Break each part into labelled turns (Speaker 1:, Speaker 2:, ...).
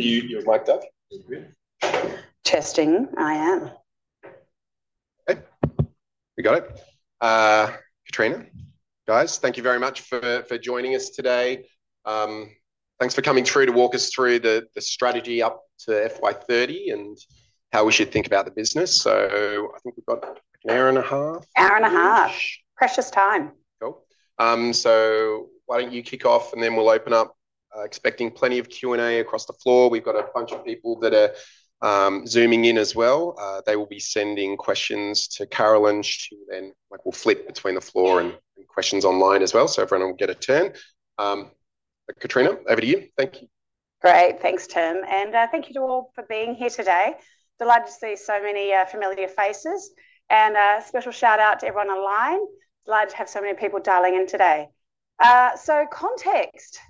Speaker 1: You're mic'd up.
Speaker 2: Testing, I am. Okay, we got it. Katrina, guys, thank you very much for joining us today. Thanks for coming through to walk us through the strategy up to FY 2030 and how we should think about the business. I think we've got an hour and a half. Hour and a half. Precious time. Cool. Why don't you kick off, and then we'll open up. Expecting plenty of Q&A across the floor. We've got a bunch of people that are zooming in as well. They will be sending questions to Carolyn, who then will flip between the floor and questions online as well. Everyone will get a turn. Katrina, over to you. Thank you. Great. Thanks, Tim. Thank you to all for being here today. Delighted to see so many familiar faces. A special shout-out to everyone online. Delighted to have so many people dialing in today. Context for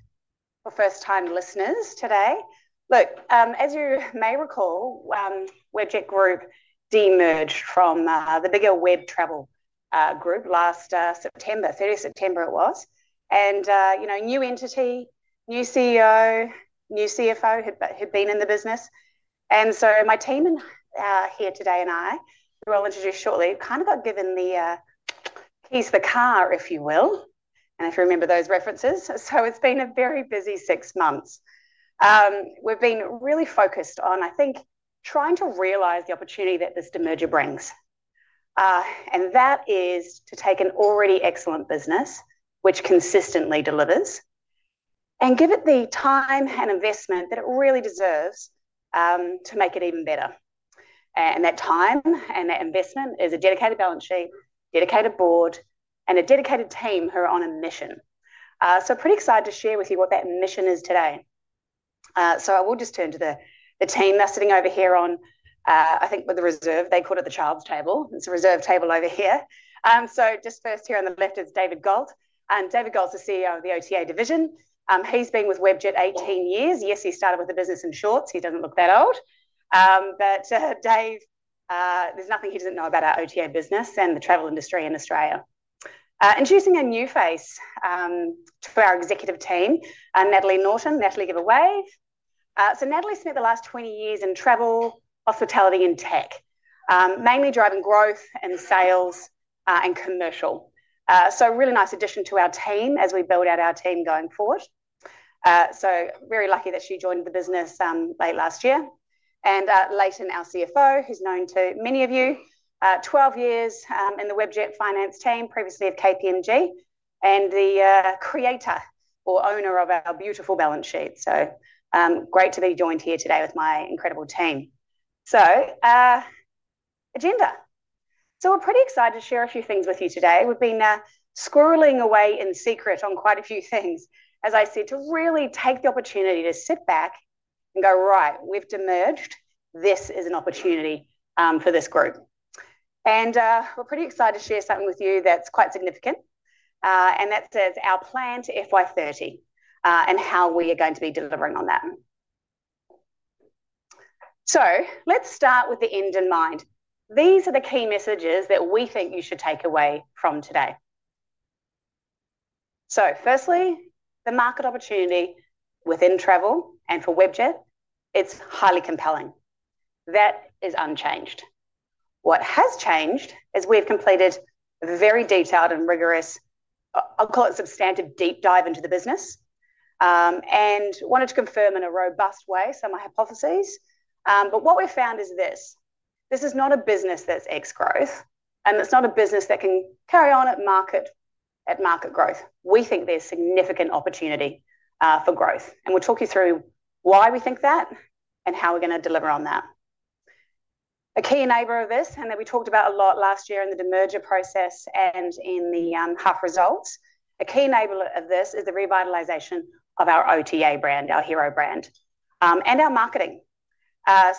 Speaker 2: first-time listeners today. Look, as you may recall, Webjet Group de-merged from the bigger Web Travel Group last September, 30th of September it was. New entity, new CEO, new CFO had been in the business. My team here today and I, who I'll introduce shortly, kind of got given the keys to the car, if you will, if you remember those references. It has been a very busy six months. We have been really focused on, I think, trying to realize the opportunity that this de-merger brings. That is to take an already excellent business, which consistently delivers, and give it the time and investment that it really deserves to make it even better. That time and that investment is a dedicated balance sheet, dedicated board, and a dedicated team who are on a mission. Pretty excited to share with you what that mission is today. I will just turn to the team that's sitting over here on, I think, with the reserve, they call it the child's table. It's a reserve table over here. Just first here on the left is David Galt. David Galt is the CEO of the OTA division. He's been with Webjet 18 years. Yes, he started with the business in shorts. He doesn't look that old. Dave, there's nothing he doesn't know about our OTA business and the travel industry in Australia. Introducing a new face for our executive team, Nathaly Norton. Nathay, give a wave. Nathaly spent the last 20 years in travel, hospitality, and tech, mainly driving growth and sales and commercial. A really nice addition to our team as we build out our team going forward. Very lucky that she joined the business late last year. Layton, our CFO, who's known to many of you, 12 years in the Webjet finance team, previously of KPMG, and the creator or owner of our beautiful balance sheet. Great to be joined here today with my incredible team. Agenda. We're pretty excited to share a few things with you today. We've been scrolling away in secret on quite a few things, as I said, to really take the opportunity to sit back and go, right, we've de-merged. This is an opportunity for this group. We're pretty excited to share something with you that's quite significant. That says our plan to FY 2030 and how we are going to be delivering on that. Let's start with the end in mind. These are the key messages that we think you should take away from today. Firstly, the market opportunity within travel and for Webjet, it's highly compelling. That is unchanged. What has changed is we've completed a very detailed and rigorous, I'll call it substantive deep dive into the business. Wanted to confirm in a robust way some of my hypotheses. What we found is this: this is not a business that's ex-growth, and it's not a business that can carry on at market growth. We think there's significant opportunity for growth. We'll talk you through why we think that and how we're going to deliver on that. A key enabler of this, and that we talked about a lot last year in the de-merger process and in the half results, a key enabler of this is the revitalization of our OTA brand, our hero brand, and our marketing. I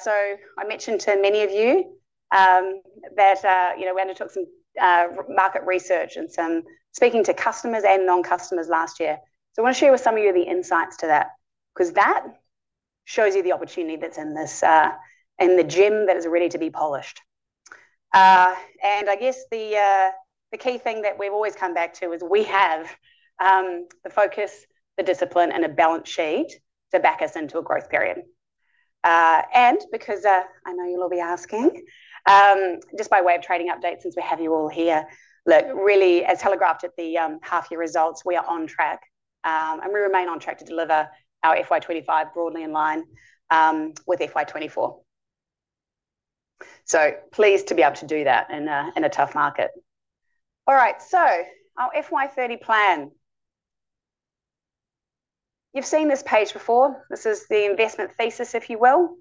Speaker 2: mentioned to many of you that we undertook some market research and some speaking to customers and non-customers last year. I want to share with some of you the insights to that, because that shows you the opportunity that's in the gem that is ready to be polished. I guess the key thing that we've always come back to is we have the focus, the discipline, and a balance sheet to back us into a growth period. Because I know you'll all be asking, just by way of trading update, since we have you all here, look, really, as telegraphed at the half-year results, we are on track. We remain on track to deliver our FY 2025 broadly in line with FY 2024. Pleased to be able to do that in a tough market. All right, our FY 2030 plan. You've seen this page before. This is the investment thesis, if you will.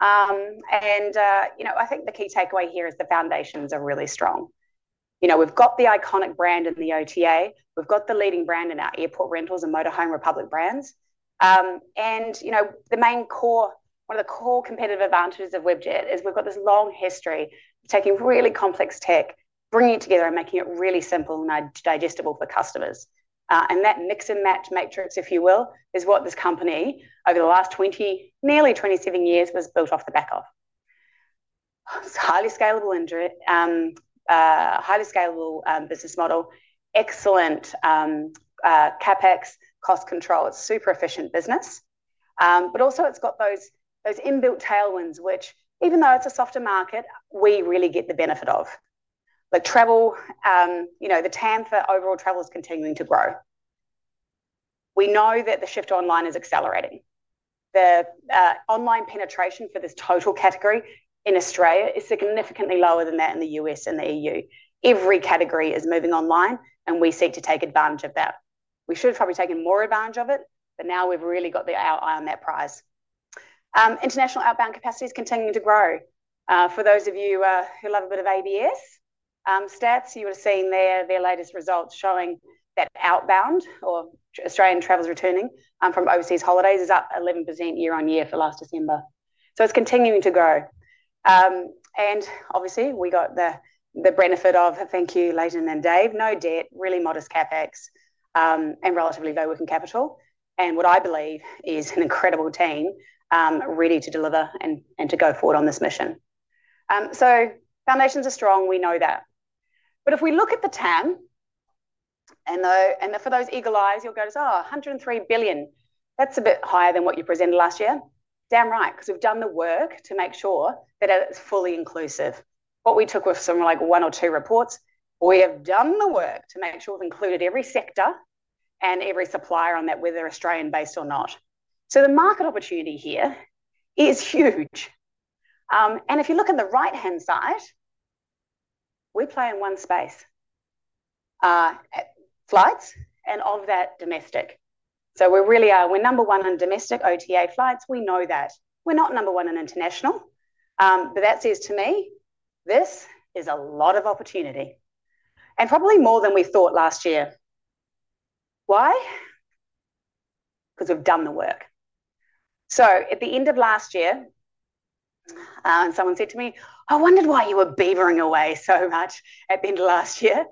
Speaker 2: I think the key takeaway here is the foundations are really strong. We've got the iconic brand in the OTA. We've got the leading brand in our Airport Rentals and Motorhome Republic brands. One of the core competitive advantages of Webjet is we've got this long history of taking really complex tech, bringing it together and making it really simple and digestible for customers. mix and match matrix, if you will, is what this company over the last nearly 27 years was built off the back of. It's a highly scalable business model, excellent CapEx, cost control. It's a super efficient business. Also, it's got those inbuilt tailwinds, which, even though it's a softer market, we really get the benefit of. Travel, the TAM for overall travel is continuing to grow. We know that the shift online is accelerating. The online penetration for this total category in Australia is significantly lower than that in the U.S. and the EU. Every category is moving online, and we seek to take advantage of that. We should have probably taken more advantage of it, but now we've really got our eye on that prize. International outbound capacity is continuing to grow. For those of you who love a bit of ABS stats, you would have seen their latest results showing that outbound, or Australian travelers returning from overseas holidays, is up 11% year on year for last December. It is continuing to grow. Obviously, we got the benefit of, thank you, Layton and Dave, no debt, really modest CapEx, and relatively low working capital. What I believe is an incredible team ready to deliver and to go forward on this mission. Foundations are strong. We know that. If we look at the TAM, and for those eagle eyes, you'll go, "Oh, 103 billion. That's a bit higher than what you presented last year." Damn right, because we've done the work to make sure that it's fully inclusive. What we took with some one or two reports, we have done the work to make sure we've included every sector and every supplier on that, whether Australian-based or not. The market opportunity here is huge. If you look on the right-hand side, we play in one space: flights and of that, domestic. We're number one in domestic OTA flights. We know that. We're not number one in international. That says to me, this is a lot of opportunity. Probably more than we thought last year. Why? Because we've done the work. At the end of last year, and someone said to me, "I wondered why you were beavering away so much at the end of last year."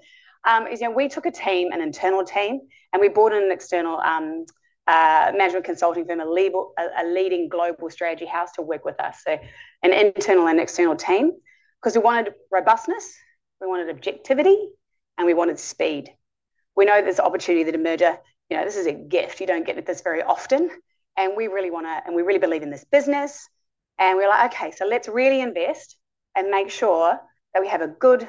Speaker 2: We took a team, an internal team, and we brought in an external management consulting firm, a leading global strategy house to work with us, an internal and external team, because we wanted robustness, we wanted objectivity, and we wanted speed. We know there's opportunity to de-merger. This is a gift. You don't get this very often. We really want to, and we really believe in this business. We're like, "Okay, so let's really invest and make sure that we have a good,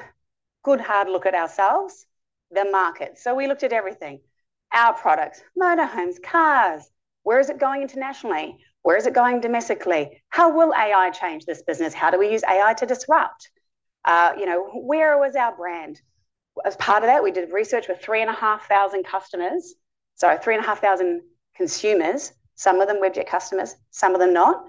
Speaker 2: hard look at ourselves, the market." We looked at everything: our products, motorhomes, cars. Where is it going internationally? Where is it going domestically? How will AI change this business? How do we use AI to disrupt? Where was our brand? As part of that, we did research with three and a half thousand customers, sorry, three and a half thousand consumers, some of them Webjet customers, some of them not.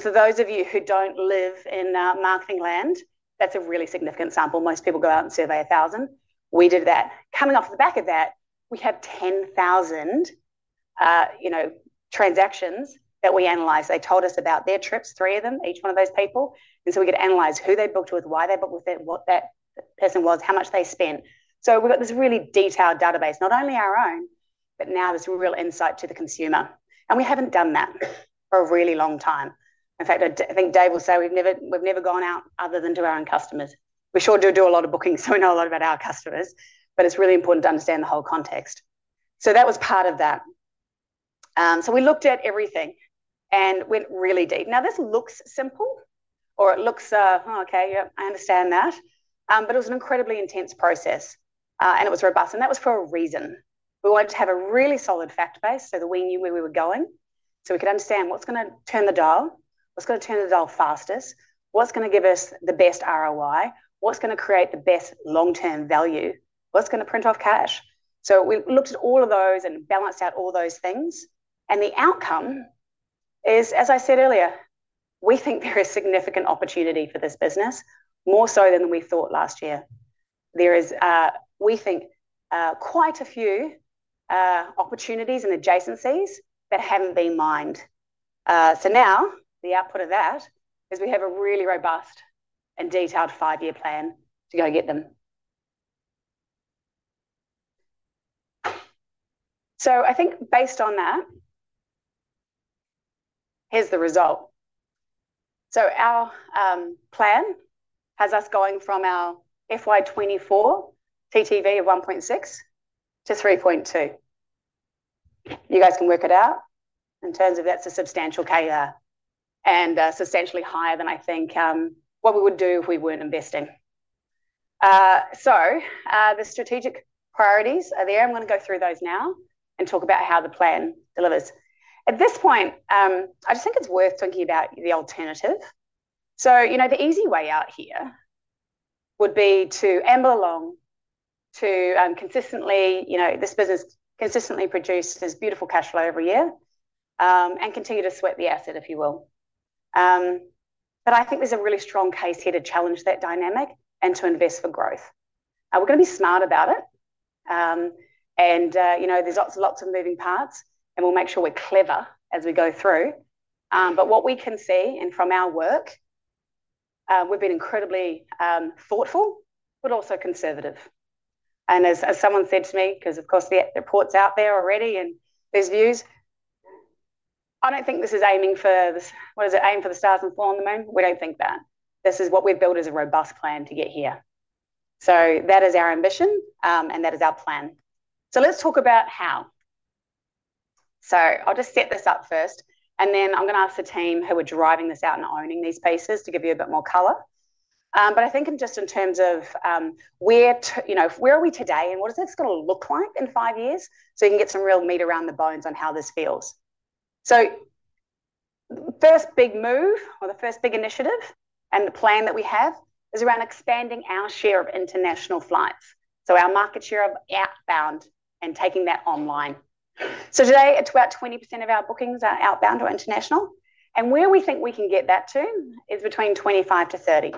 Speaker 2: For those of you who don't live in marketing land, that's a really significant sample. Most people go out and survey a thousand. We did that. Coming off the back of that, we had 10,000 transactions that we analysed. They told us about their trips, three of them, each one of those people. We could analyse who they booked with, why they booked with it, what that person was, how much they spent. We've got this really detailed database, not only our own, but now this real insight to the consumer. We haven't done that for a really long time. In fact, I think Dave will say we've never gone out other than to our own customers. We sure do do a lot of booking, so we know a lot about our customers. It is really important to understand the whole context. That was part of that. We looked at everything and went really deep. This looks simple, or it looks, "Oh, okay, yeah, I understand that." It was an incredibly intense process. It was robust. That was for a reason. We wanted to have a really solid fact base so that we knew where we were going, so we could understand what's going to turn the dial, what's going to turn the dial fastest, what's going to give us the best ROI, what's going to create the best long-term value, what's going to print off cash. We looked at all of those and balanced out all those things. The outcome is, as I said earlier, we think there is significant opportunity for this business, more so than we thought last year. There is, we think, quite a few opportunities and adjacencies that have not been mined. Now the output of that is we have a really robust and detailed five-year plan to go get them. I think based on that, here is the result. Our plan has us going from our FY 2024 TTV of 1.6 billion to 3.2 billion. You guys can work it out in terms of that is a substantial CAGR and substantially higher than I think what we would do if we were not investing. The strategic priorities are there. I am going to go through those now and talk about how the plan delivers. At this point, I just think it's worth talking about the alternative. The easy way out here would be to amble along, to consistently, this business consistently produces beautiful cash flow every year and continue to sweat the asset, if you will. I think there's a really strong case here to challenge that dynamic and to invest for growth. We're going to be smart about it. There's lots and lots of moving parts. We'll make sure we're clever as we go through. What we can see, and from our work, we've been incredibly thoughtful, but also conservative. As someone said to me, because of course, the report's out there already and there's views, I don't think this is aiming for, what does it aim for, the stars and fall in the moon? We don't think that. This is what we've built as a robust plan to get here. That is our ambition, and that is our plan. Let's talk about how. I'll just set this up first. Then I'm going to ask the team who are driving this out and owning these spaces to give you a bit more color. I think just in terms of where are we today and what is this going to look like in five years so you can get some real meat around the bones on how this feels. The first big move or the first big initiative in the plan that we have is around expanding our share of international flights. Our market share of outbound and taking that online. Today, it's about 20% of our bookings are outbound or international. Where we think we can get that to is between 25-30.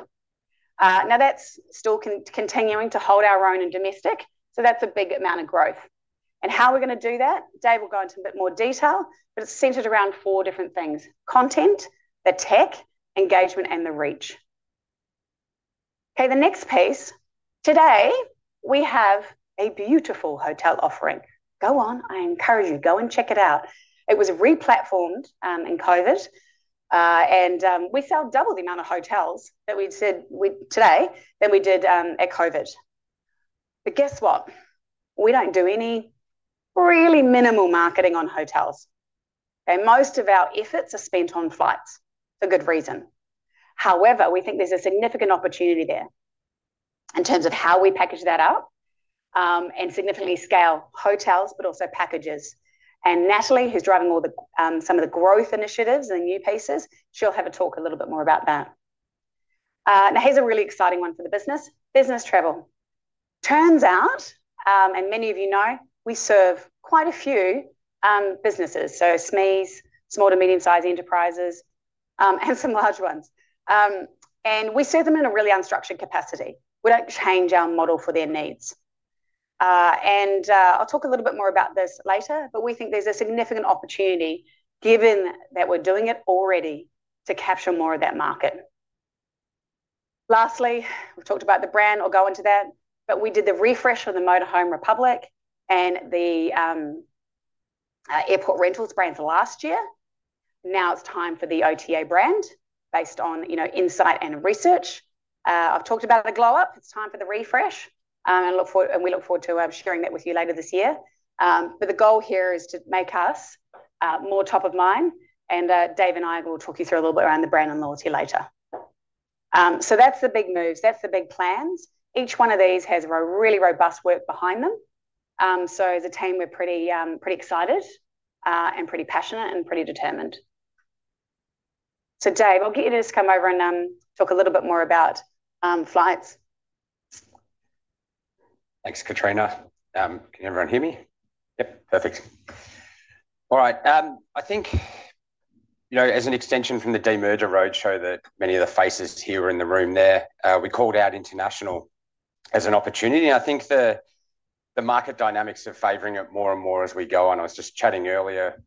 Speaker 2: That is still continuing to hold our own in domestic. That is a big amount of growth. How we are going to do that, Dave will go into a bit more detail, but it is centered around four different things: content, the tech, engagement, and the reach. The next piece. Today, we have a beautiful hotel offering. Go on, I encourage you. Go and check it out. It was replatformed in COVID. We sell double the amount of hotels that we sell today than we did at COVID. Guess what? We do not do any, really minimal, marketing on hotels. Most of our efforts are spent on flights for good reason. However, we think there is a significant opportunity there in terms of how we package that up and significantly scale hotels, but also packages. Nathaly, who's driving some of the growth initiatives and the new pieces, she'll have a talk a little bit more about that. Now, here's a really exciting one for the business: business travel. Turns out, and many of you know, we serve quite a few businesses, so SMEs, small to medium-sized enterprises, and some large ones. We serve them in a really unstructured capacity. We don't change our model for their needs. I'll talk a little bit more about this later, but we think there's a significant opportunity given that we're doing it already to capture more of that market. Lastly, we've talked about the brand. I'll go into that. We did the refresh on the Motorhome Republic and the Airport Rentals brand last year. Now it's time for the OTA brand based on insight and research. I've talked about the glow-up. It's time for the refresh. We look forward to sharing that with you later this year. The goal here is to make us more top of mind. Dave and I will talk you through a little bit around the brand and loyalty later. That's the big moves. That's the big plans. Each one of these has a really robust work behind them. As a team, we're pretty excited and pretty passionate and pretty determined. Dave, I'll get you to just come over and talk a little bit more about flights.
Speaker 3: Thanks, Katrina. Can everyone hear me? Yep, perfect. All right. I think as an extension from the de-merger roadshow that many of the faces here were in the room there, we called out international as an opportunity. I think the market dynamics are favoring it more and more as we go on. I was just chatting earlier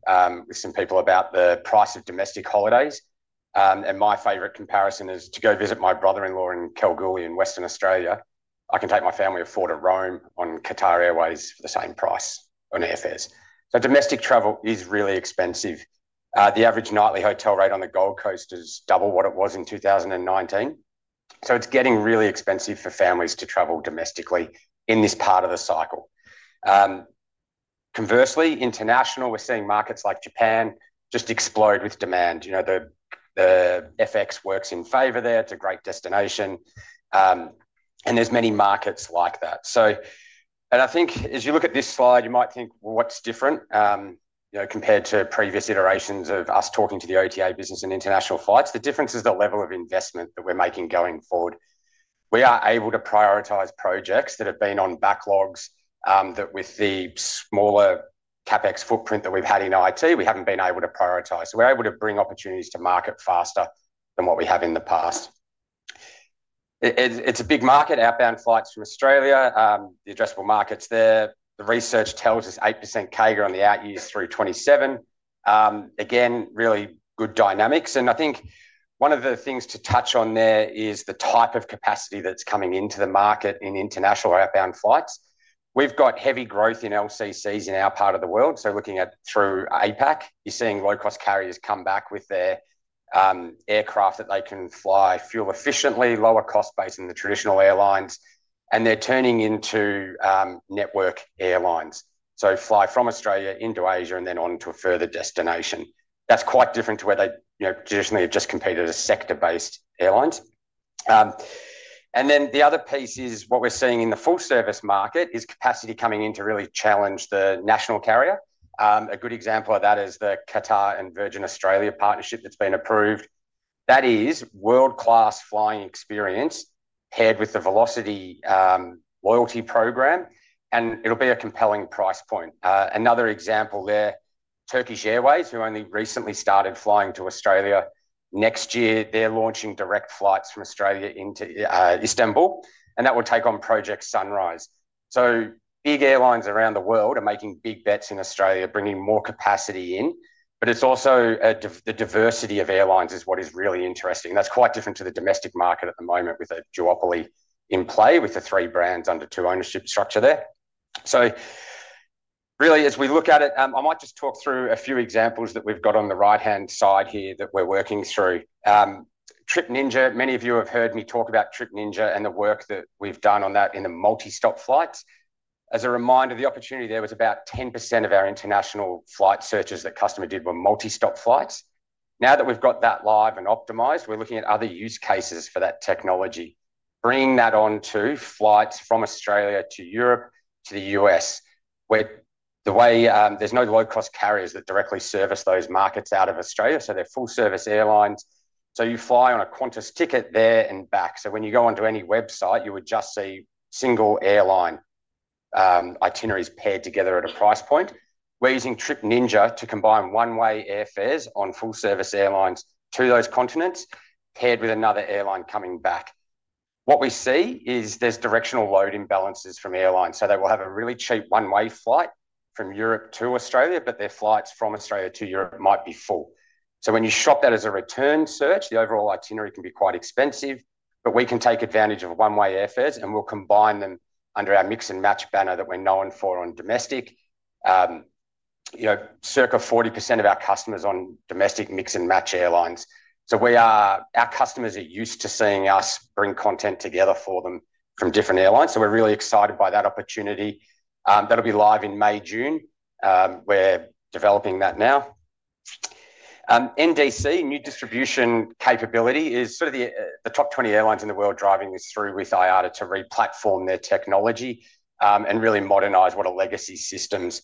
Speaker 3: with some people about the price of domestic holidays. My favorite comparison is to go visit my brother-in-law in Kalgoorlie in Western Australia. I can take my family of four to Rome on Qatar Airways for the same price on airfares. Domestic travel is really expensive. The average nightly hotel rate on the Gold Coast is double what it was in 2019. It is getting really expensive for families to travel domestically in this part of the cycle. Conversely, international, we are seeing markets like Japan just explode with demand. The FX works in favor there. It is a great destination. There are many markets like that. I think as you look at this slide, you might think, "Well, what's different?" Compared to previous iterations of us talking to the OTA business and international flights, the difference is the level of investment that we're making going forward. We are able to prioritize projects that have been on backlogs that with the smaller CapEx footprint that we've had in IT, we haven't been able to prioritize. We are able to bring opportunities to market faster than what we have in the past. It's a big market, outbound flights from Australia, the addressable markets there. The research tells us 8% CAGR on the out years through 2027. Again, really good dynamics. I think one of the things to touch on there is the type of capacity that's coming into the market in international or outbound flights. We've got heavy growth in LCCs in our part of the world. Looking at through APAC, you're seeing low-cost carriers come back with their aircraft that they can fly fuel efficiently, lower cost-based than the traditional airlines. They're turning into network airlines. Fly from Australia into Asia and then on to a further destination. That's quite different to where they traditionally have just competed as sector-based airlines. The other piece is what we're seeing in the full-service market is capacity coming in to really challenge the national carrier. A good example of that is the Qatar and Virgin Australia partnership that's been approved. That is world-class flying experience paired with the Velocity Loyalty Program. It'll be a compelling price point. Another example there, Turkish Airlines, who only recently started flying to Australia. Next year, they're launching direct flights from Australia into Istanbul. That will take on project Sunrise. Big airlines around the world are making big bets in Australia, bringing more capacity in. It is also the diversity of airlines that is really interesting. That is quite different to the domestic market at the moment with a duopoly in play with the three brands under two ownership structure there. As we look at it, I might just talk through a few examples that we have got on the right-hand side here that we are working through. Trip Ninja, many of you have heard me talk about Trip Ninja and the work that we have done on that in the multi-stop flights. As a reminder, the opportunity there was about 10% of our international flight searches that customers did were multi-stop flights. Now that we've got that live and optimized, we're looking at other use cases for that technology, bringing that on to flights from Australia to Europe to the U.S., where there's no low-cost carriers that directly service those markets out of Australia. They are full-service airlines. You fly on a Qantas ticket there and back. When you go onto any website, you would just see single airline itineraries paired together at a price point. We're using Trip Ninja to combine one-way airfares on full-service airlines to those continents paired with another airline coming back. What we see is there's directional load imbalances from airlines. They will have a really cheap one-way flight from Europe to Australia, but their flights from Australia to Europe might be full. When you shop that as a return search, the overall itinerary can be quite expensive. We can take advantage of one-way airfares and we'll combine them under our Mix and Match banner that we're known for on domestic. Circa 40% of our customers on domestic Mix and Match airlines. Our customers are used to seeing us bring content together for them from different airlines. We're really excited by that opportunity. That'll be live in May, June. We're developing that now. NDC, new distribution capability, is sort of the top 20 airlines in the world driving this through with IATA to replatform their technology and really modernize what are legacy systems.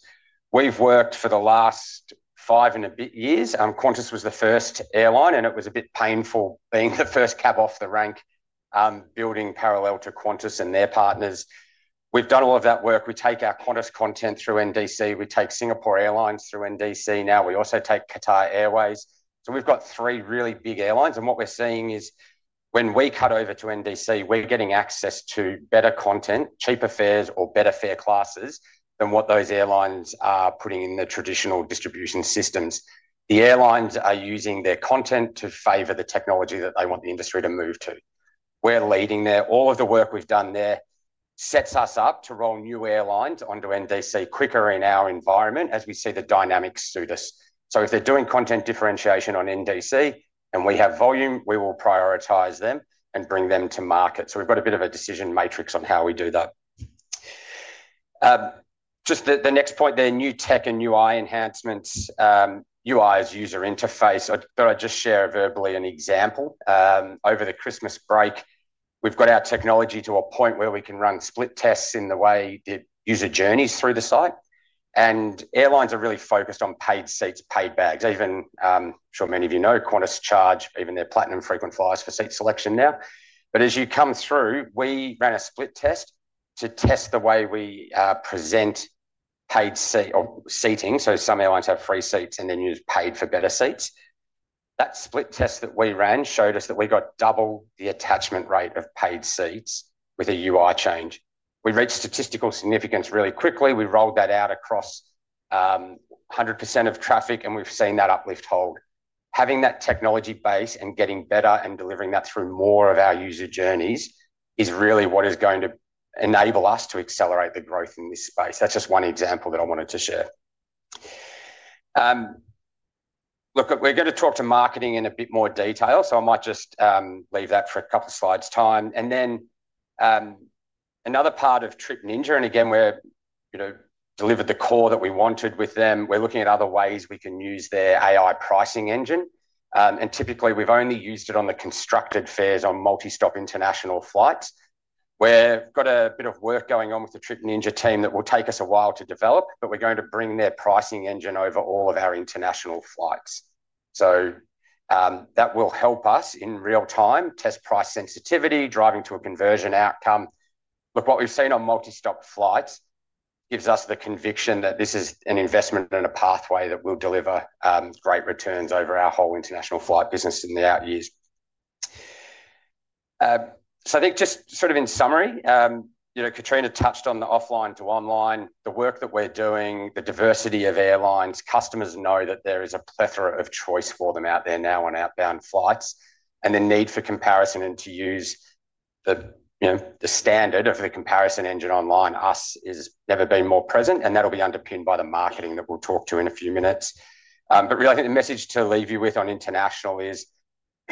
Speaker 3: We've worked for the last five and a bit years. Qantas was the first airline, and it was a bit painful being the first cab off the rank building parallel to Qantas and their partners. We've done all of that work. We take our Qantas content through NDC. We take Singapore Airlines through NDC. Now we also take Qatar Airways. We have three really big airlines. What we are seeing is when we cut over to NDC, we are getting access to better content, cheaper fares, or better fare classes than what those airlines are putting in the traditional distribution systems. The airlines are using their content to favor the technology that they want the industry to move to. We are leading there. All of the work we have done there sets us up to roll new airlines onto NDC quicker in our environment as we see the dynamics through this. If they are doing content differentiation on NDC and we have volume, we will prioritize them and bring them to market. We have a bit of a decision matrix on how we do that. The next point there, new tech and UI enhancements. UI is user interface. I'll just share verbally an example. Over the Christmas break, we've got our technology to a point where we can run split tests in the way that user journeys through the site. Airlines are really focused on paid seats, paid bags. I'm sure many of you know Qantas charge even their Platinum Frequent Flyers for seat selection now. As you come through, we ran a split test to test the way we present paid seating. Some airlines have free seats and then you pay for better seats. That split test that we ran showed us that we got double the attachment rate of paid seats with a UI change. We reached statistical significance really quickly. We rolled that out across 100% of traffic, and we've seen that uplift hold. Having that technology base and getting better and delivering that through more of our user journeys is really what is going to enable us to accelerate the growth in this space. That's just one example that I wanted to share. Look, we're going to talk to marketing in a bit more detail. I might just leave that for a couple of slides' time. Another part of Trip Ninja, and again, we've delivered the core that we wanted with them. We're looking at other ways we can use their AI pricing engine. Typically, we've only used it on the constructed fares on multi-stop international flights. We've got a bit of work going on with the Trip Ninja team that will take us a while to develop, but we're going to bring their pricing engine over all of our international flights. That will help us in real-time test price sensitivity, driving to a conversion outcome. Look, what we've seen on multi-stop flights gives us the conviction that this is an investment and a pathway that will deliver great returns over our whole international flight business in the out years. I think just sort of in summary, Katrina touched on the offline to online, the work that we're doing, the diversity of airlines. Customers know that there is a plethora of choice for them out there now on outbound flights. The need for comparison and to use the standard of the comparison engine online us has never been more present. That will be underpinned by the marketing that we'll talk to in a few minutes. I think the message to leave you with on international is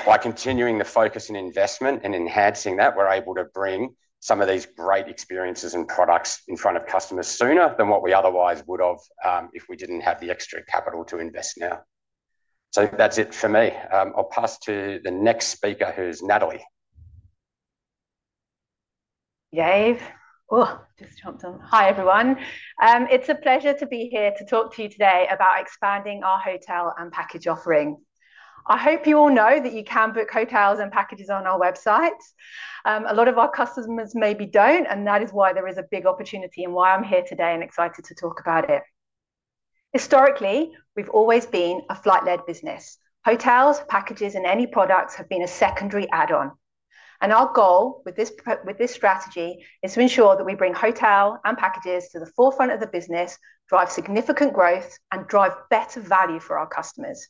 Speaker 3: by continuing the focus and investment and enhancing that, we're able to bring some of these great experiences and products in front of customers sooner than what we otherwise would have if we didn't have the extra capital to invest now. That's it for me. I'll pass to the next speaker, who's Nathaly.
Speaker 4: Dave. Oh, just jumped on. Hi, everyone. It's a pleasure to be here to talk to you today about expanding our hotel and package offering. I hope you all know that you can book hotels and packages on our website. A lot of our customers maybe don't, and that is why there is a big opportunity and why I'm here today and excited to talk about it. Historically, we've always been a flight-led business. Hotels, packages, and any products have been a secondary add-on. Our goal with this strategy is to ensure that we bring hotel and packages to the forefront of the business, drive significant growth, and drive better value for our customers.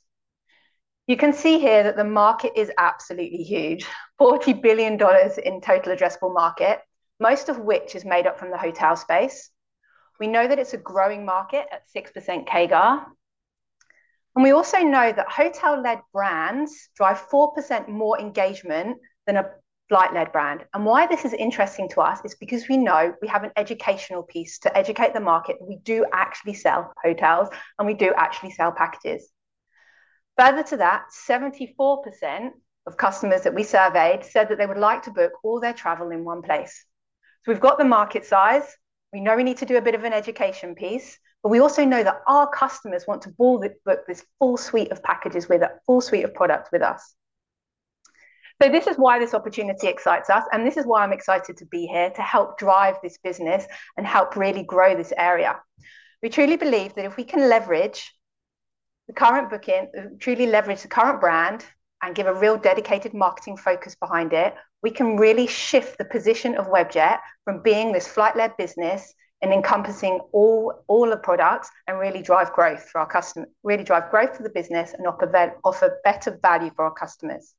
Speaker 4: You can see here that the market is absolutely huge, 40 billion dollars in total addressable market, most of which is made up from the hotel space. We know that it is a growing market at 6% CAGR. We also know that hotel-led brands drive 4% more engagement than a flight-led brand. Why this is interesting to us is because we know we have an educational piece to educate the market that we do actually sell hotels and we do actually sell packages. Further to that, 74% of customers that we surveyed said that they would like to book all their travel in one place. We have the market size. We know we need to do a bit of an education piece, but we also know that our customers want to book this full suite of packages with a full suite of products with us. This is why this opportunity excites us, and this is why I'm excited to be here to help drive this business and help really grow this area. We truly believe that if we can leverage the current booking, truly leverage the current brand and give a real dedicated marketing focus behind it, we can really shift the position of Webjet from being this flight-led business and encompassing all the products and really drive growth for our customers, really drive growth for the business and offer better value for our customers.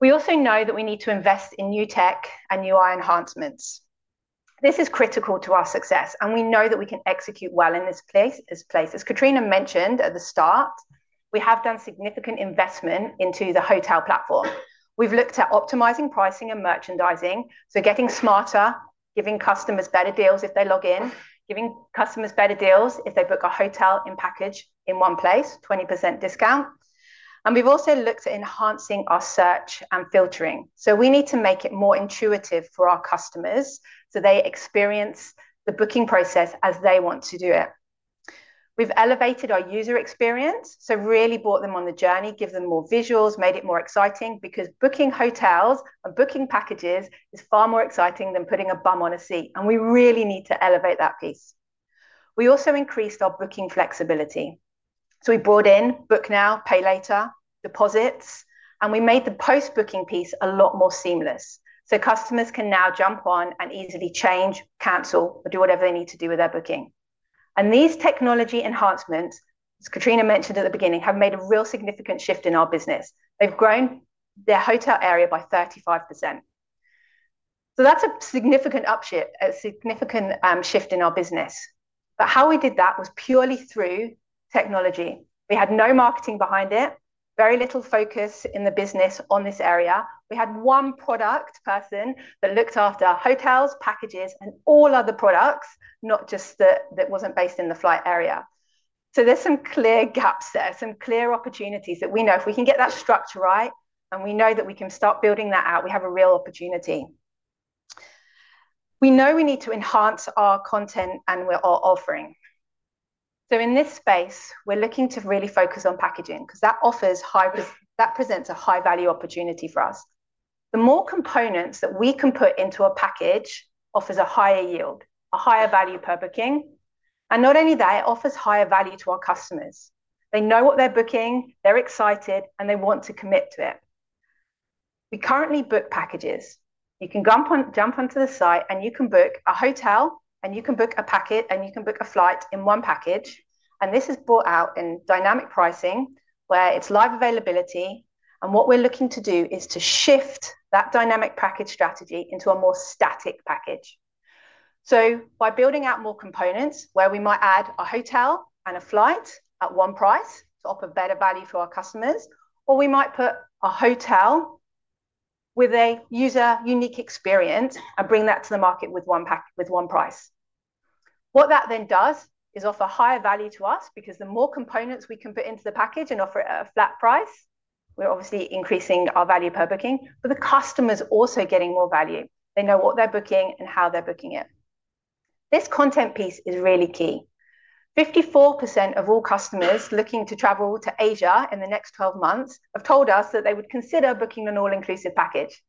Speaker 4: We also know that we need to invest in new tech and UI enhancements. This is critical to our success, and we know that we can execute well in this place. As Katrina mentioned at the start, we have done significant investment into the hotel platform. We've looked at optimizing pricing and merchandising, so getting smarter, giving customers better deals if they log in, giving customers better deals if they book a hotel in package in one place, 20% discount. We've also looked at enhancing our search and filtering. We need to make it more intuitive for our customers so they experience the booking process as they want to do it. We've elevated our user experience, so really brought them on the journey, given them more visuals, made it more exciting because booking hotels and booking packages is far more exciting than putting a bum on a seat. We really need to elevate that piece. We also increased our booking flexibility. We brought in book now, pay later, deposits, and we made the post-booking piece a lot more seamless. Customers can now jump on and easily change, cancel, or do whatever they need to do with their booking. These technology enhancements, as Katrina mentioned at the beginning, have made a real significant shift in our business. They have grown their hotel area by 35%. That is a significant upshift, a significant shift in our business. How we did that was purely through technology. We had no marketing behind it, very little focus in the business on this area. We had one product person that looked after hotels, packages, and all other products, not just that was not based in the flight area. There are some clear gaps there, some clear opportunities that we know if we can get that structure right and we know that we can start building that out, we have a real opportunity. We know we need to enhance our content and our offering. In this space, we are looking to really focus on packaging because that presents a high-value opportunity for us. The more components that we can put into a package offers a higher yield, a higher value per booking. Not only that, it offers higher value to our customers. They know what they are booking, they are excited, and they want to commit to it. We currently book packages. You can jump onto the site and you can book a hotel and you can book a package and you can book a flight in one package. This is brought out in dynamic pricing where it's live availability. What we're looking to do is to shift that dynamic package strategy into a more static package. By building out more components where we might add a hotel and a flight at one price to offer better value for our customers, or we might put a hotel with a user unique experience and bring that to the market with one price. What that then does is offer higher value to us because the more components we can put into the package and offer a flat price, we're obviously increasing our value per booking, but the customer is also getting more value. They know what they're booking and how they're booking it. This content piece is really key. 54% of all customers looking to travel to Asia in the next 12 months have told us that they would consider booking an all-inclusive package.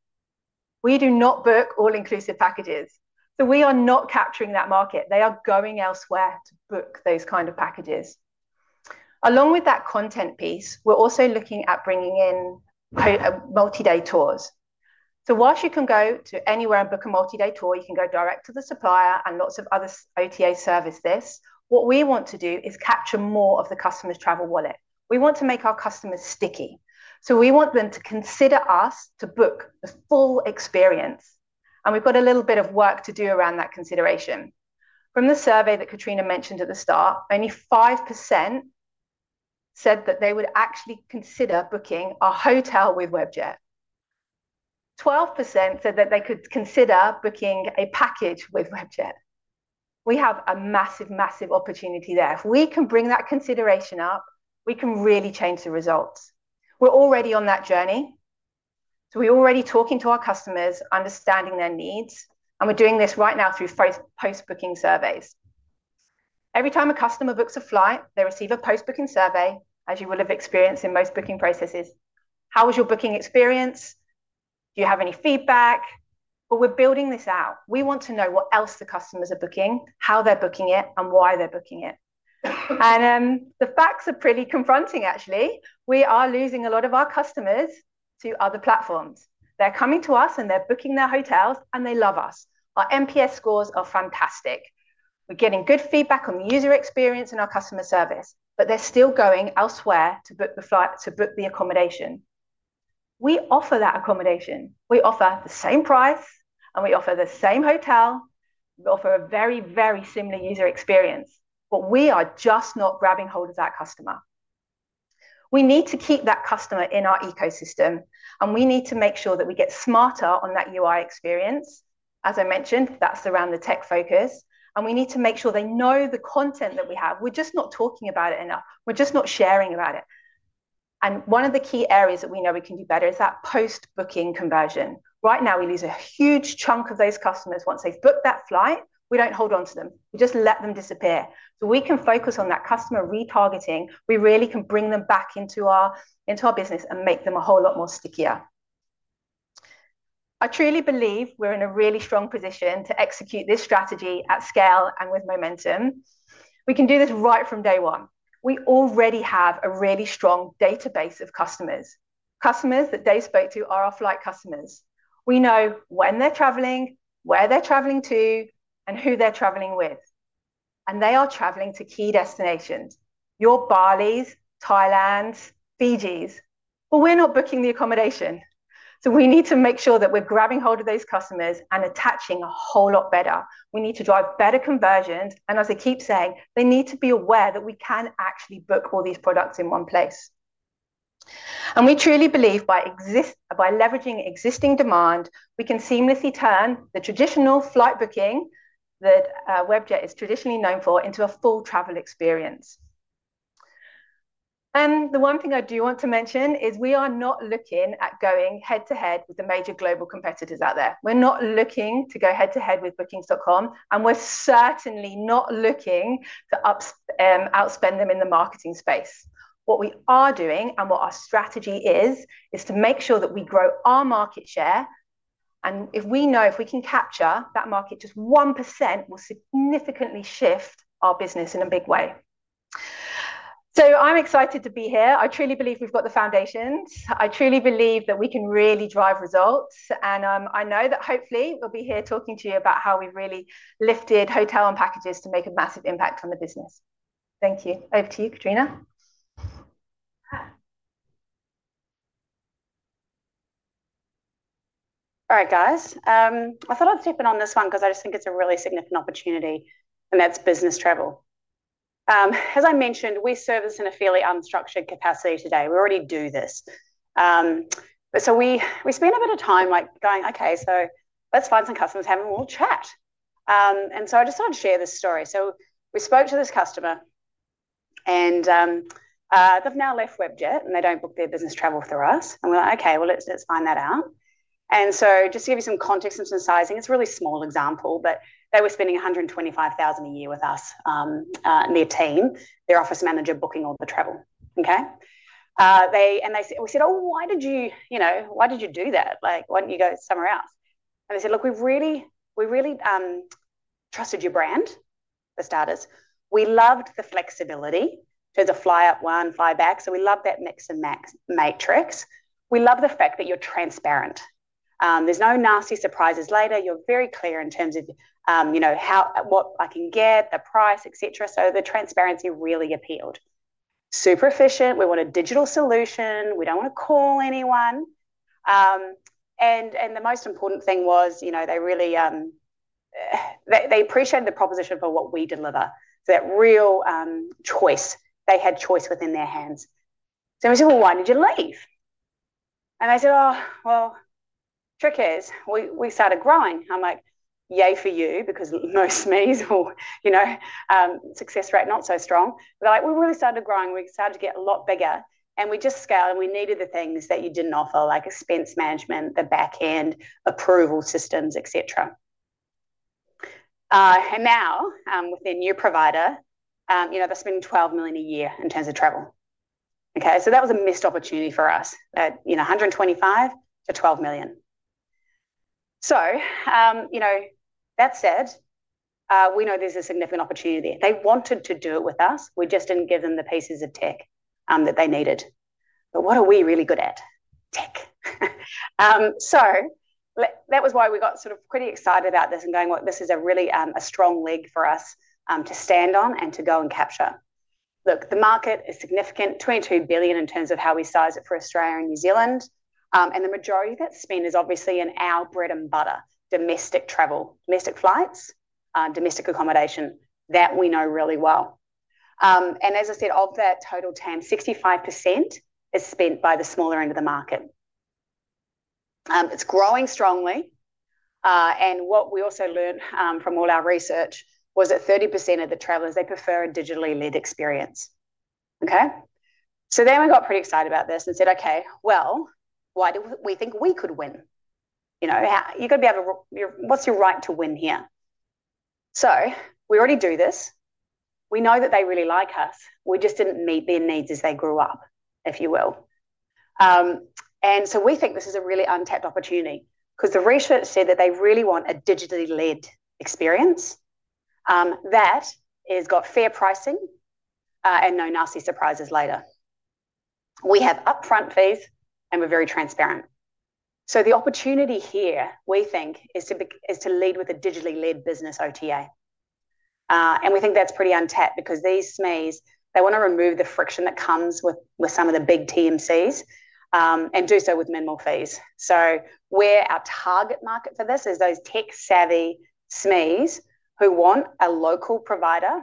Speaker 4: We do not book all-inclusive packages. So we are not capturing that market. They are going elsewhere to book those kinds of packages. Along with that content piece, we are also looking at bringing in multi-day tours. Whilst you can go to anywhere and book a multi-day tour, you can go direct to the supplier and lots of other OTA service this. What we want to do is capture more of the customer's travel wallet. We want to make our customers sticky. We want them to consider us to book the full experience. We have got a little bit of work to do around that consideration. From the survey that Katrina mentioned at the start, only 5% said that they would actually consider booking a hotel with Webjet. 12% said that they could consider booking a package with Webjet. We have a massive, massive opportunity there. If we can bring that consideration up, we can really change the results. We're already on that journey. We're already talking to our customers, understanding their needs, and we're doing this right now through post-booking surveys. Every time a customer books a flight, they receive a post-booking survey, as you will have experienced in most booking processes. How was your booking experience? Do you have any feedback? We're building this out. We want to know what else the customers are booking, how they're booking it, and why they're booking it. The facts are pretty confronting, actually. We are losing a lot of our customers to other platforms. They're coming to us and they're booking their hotels and they love us. Our MPS scores are fantastic. We're getting good feedback on the user experience and our customer service, but they're still going elsewhere to book the accommodation. We offer that accommodation. We offer the same price and we offer the same hotel. We offer a very, very similar user experience, but we are just not grabbing hold of that customer. We need to keep that customer in our ecosystem, and we need to make sure that we get smarter on that UI experience. As I mentioned, that's around the tech focus, and we need to make sure they know the content that we have. We're just not talking about it enough. We're just not sharing about it. One of the key areas that we know we can do better is that post-booking conversion. Right now, we lose a huge chunk of those customers. Once they've booked that flight, we don't hold on to them. We just let them disappear. We can focus on that customer retargeting. We really can bring them back into our business and make them a whole lot more stickier. I truly believe we're in a really strong position to execute this strategy at scale and with momentum. We can do this right from day one. We already have a really strong database of customers. Customers that Dave spoke to are our flight customers. We know when they're travelling, where they're travelling to, and who they're travelling with. They are travelling to key destinations: your Balis, Thailand, Fijis. We're not booking the accommodation. We need to make sure that we're grabbing hold of those customers and attaching a whole lot better. We need to drive better conversions. As I keep saying, they need to be aware that we can actually book all these products in one place. We truly believe by leveraging existing demand, we can seamlessly turn the traditional flight booking that Webjet is traditionally known for into a full travel experience. The one thing I do want to mention is we are not looking at going head-to-head with the major global competitors out there. We are not looking to go head-to-head with Booking.com, and we are certainly not looking to outspend them in the marketing space. What we are doing and what our strategy is, is to make sure that we grow our market share. If we know if we can capture that market, just 1% will significantly shift our business in a big way. I am excited to be here. I truly believe we've got the foundations. I truly believe that we can really drive results. I know that hopefully we'll be here talking to you about how we've really lifted hotel and packages to make a massive impact on the business. Thank you. Over to you, Katrina.
Speaker 2: All right, guys. I thought I'd tip in on this one because I just think it's a really significant opportunity, and that's business travel. As I mentioned, we serve this in a fairly unstructured capacity today. We already do this. We spend a bit of time going, "Okay, so let's find some customers, have a little chat." I just wanted to share this story. We spoke to this customer, and they've now left Webjet, and they don't book their business travel for us. We were like, "Okay, let's find that out." Just to give you some context and some sizing, it's a really small example, but they were spending 125,000 a year with us and their team, their office manager booking all the travel. We said, "Oh, why did you do that? Why did you do that? Why don't you go somewhere else?" They said, "Look, we really trusted your brand, for starters. We loved the flexibility. There's a fly-up one, fly-back. We loved that mix and match matrix. We love the fact that you're transparent. There's no nasty surprises later. You're very clear in terms of what I can get, the price, etc." The transparency really appealed. Super efficient. We want a digital solution. We don't want to call anyone. The most important thing was they appreciated the proposition for what we deliver. That real choice. They had choice within their hands. We said, "Why did you leave?" They said, "Oh, trick is we started growing." I'm like, "Yay for you because most me's or success rate not so strong." They're like, "We really started growing. We started to get a lot bigger, and we just scaled, and we needed the things that you didn't offer, like expense management, the backend, approval systems, etc." Now, with their new provider, they're spending 12 million a year in terms of travel. That was a missed opportunity for us, 125 to 12 million. That said, we know there's a significant opportunity there. They wanted to do it with us. We just didn't give them the pieces of tech that they needed. What are we really good at? Tech. That was why we got sort of pretty excited about this and going, "Well, this is a really strong leg for us to stand on and to go and capture." Look, the market is significant, 22 billion in terms of how we size it for Australia and New Zealand. The majority of that spend is obviously in our bread and butter, domestic travel, domestic flights, domestic accommodation that we know really well. As I said, of that total TAM, 65% is spent by the smaller end of the market. It is growing strongly. What we also learned from all our research was that 30% of the travellers, they prefer a digitally led experience. Okay? We got pretty excited about this and said, "Okay, why do we think we could win? You've got to be able to—what's your right to win here?" We already do this. We know that they really like us. We just didn't meet their needs as they grew up, if you will. We think this is a really untapped opportunity because the research said that they really want a digitally led experience that has got fair pricing and no nasty surprises later. We have upfront fees, and we're very transparent. The opportunity here, we think, is to lead with a digitally led business OTA. We think that's pretty untapped because these SMEs, they want to remove the friction that comes with some of the big TMCs and do so with minimal fees. Our target market for this is those tech-savvy SMEs who want a local provider.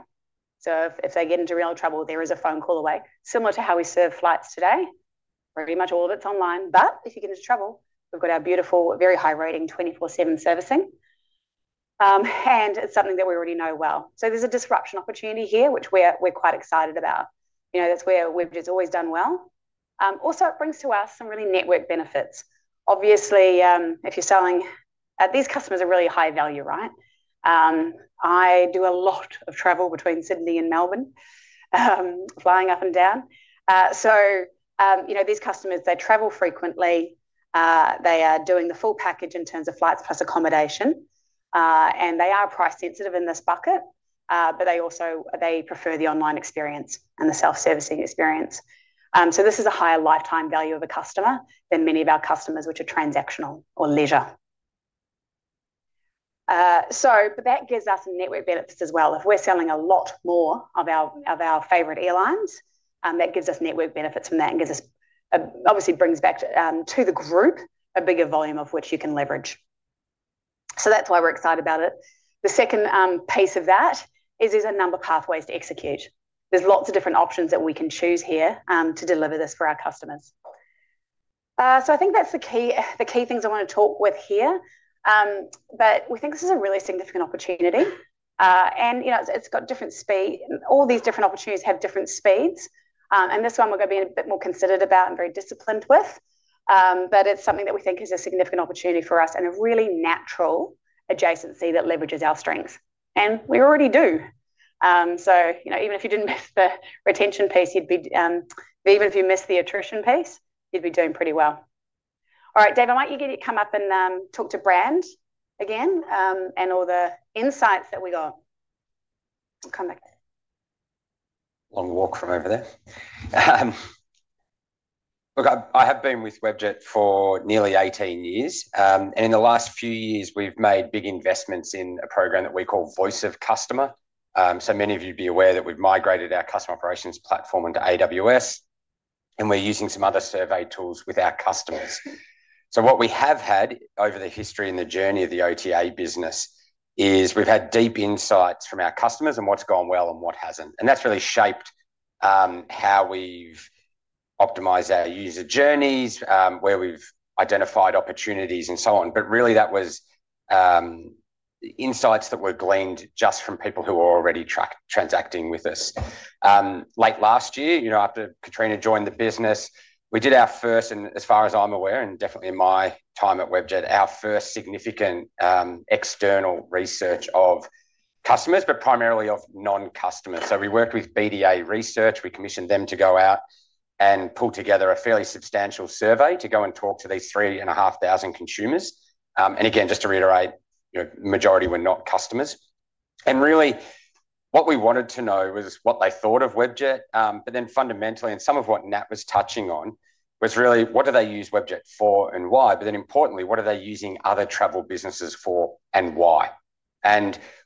Speaker 2: If they get into real trouble, there is a phone call away, similar to how we serve flights today. Pretty much all of it is online. If you get into trouble, we have our beautiful, very high-rating 24/7 servicing. It is something that we already know well. There is a disruption opportunity here, which we are quite excited about. That is where we have just always done well. Also, it brings to us some really network benefits. Obviously, if you are selling—these customers are really high value, right? I do a lot of travel between Sydney and Melbourne, flying up and down. These customers travel frequently. They are doing the full package in terms of flights plus accommodation. They are price-sensitive in this bucket, but they also prefer the online experience and the self-servicing experience. This is a higher lifetime value of a customer than many of our customers, which are transactional or leisure. That gives us network benefits as well. If we're selling a lot more of our favorite airlines, that gives us network benefits from that and obviously brings back to the group a bigger volume of which you can leverage. That's why we're excited about it. The second piece of that is there's a number of pathways to execute. There's lots of different options that we can choose here to deliver this for our customers. I think that's the key things I want to talk with here. We think this is a really significant opportunity. It's got different speed. All these different opportunities have different speeds. This one we're going to be a bit more considerate about and very disciplined with. It is something that we think is a significant opportunity for us and a really natural adjacency that leverages our strengths. We already do. Even if you did not miss the retention piece, even if you missed the attrition piece, you would be doing pretty well. All right, Dave, I might have you come up and talk to Brand again and all the insights that we got. Come back.
Speaker 3: Long walk from over there. Look, I have been with Webjet for nearly 18 years. In the last few years, we have made big investments in a program that we call Voice of Customer. Many of you may be aware that we have migrated our customer operations platform into AWS. We are using some other survey tools with our customers. What we have had over the history and the journey of the OTA business is we've had deep insights from our customers and what's gone well and what hasn't. That's really shaped how we've optimized our user journeys, where we've identified opportunities and so on. That was insights that were gleaned just from people who were already transacting with us. Late last year, after Katrina joined the business, we did our first, and as far as I'm aware and definitely in my time at Webjet, our first significant external research of customers, but primarily of non-customers. We worked with BDA Research. We commissioned them to go out and pull together a fairly substantial survey to go and talk to these three and a half thousand consumers. Again, just to reiterate, the majority were not customers. Really, what we wanted to know was what they thought of Webjet. Fundamentally, and some of what Nat was touching on was really, what do they use Webjet for and why? Importantly, what are they using other travel businesses for and why?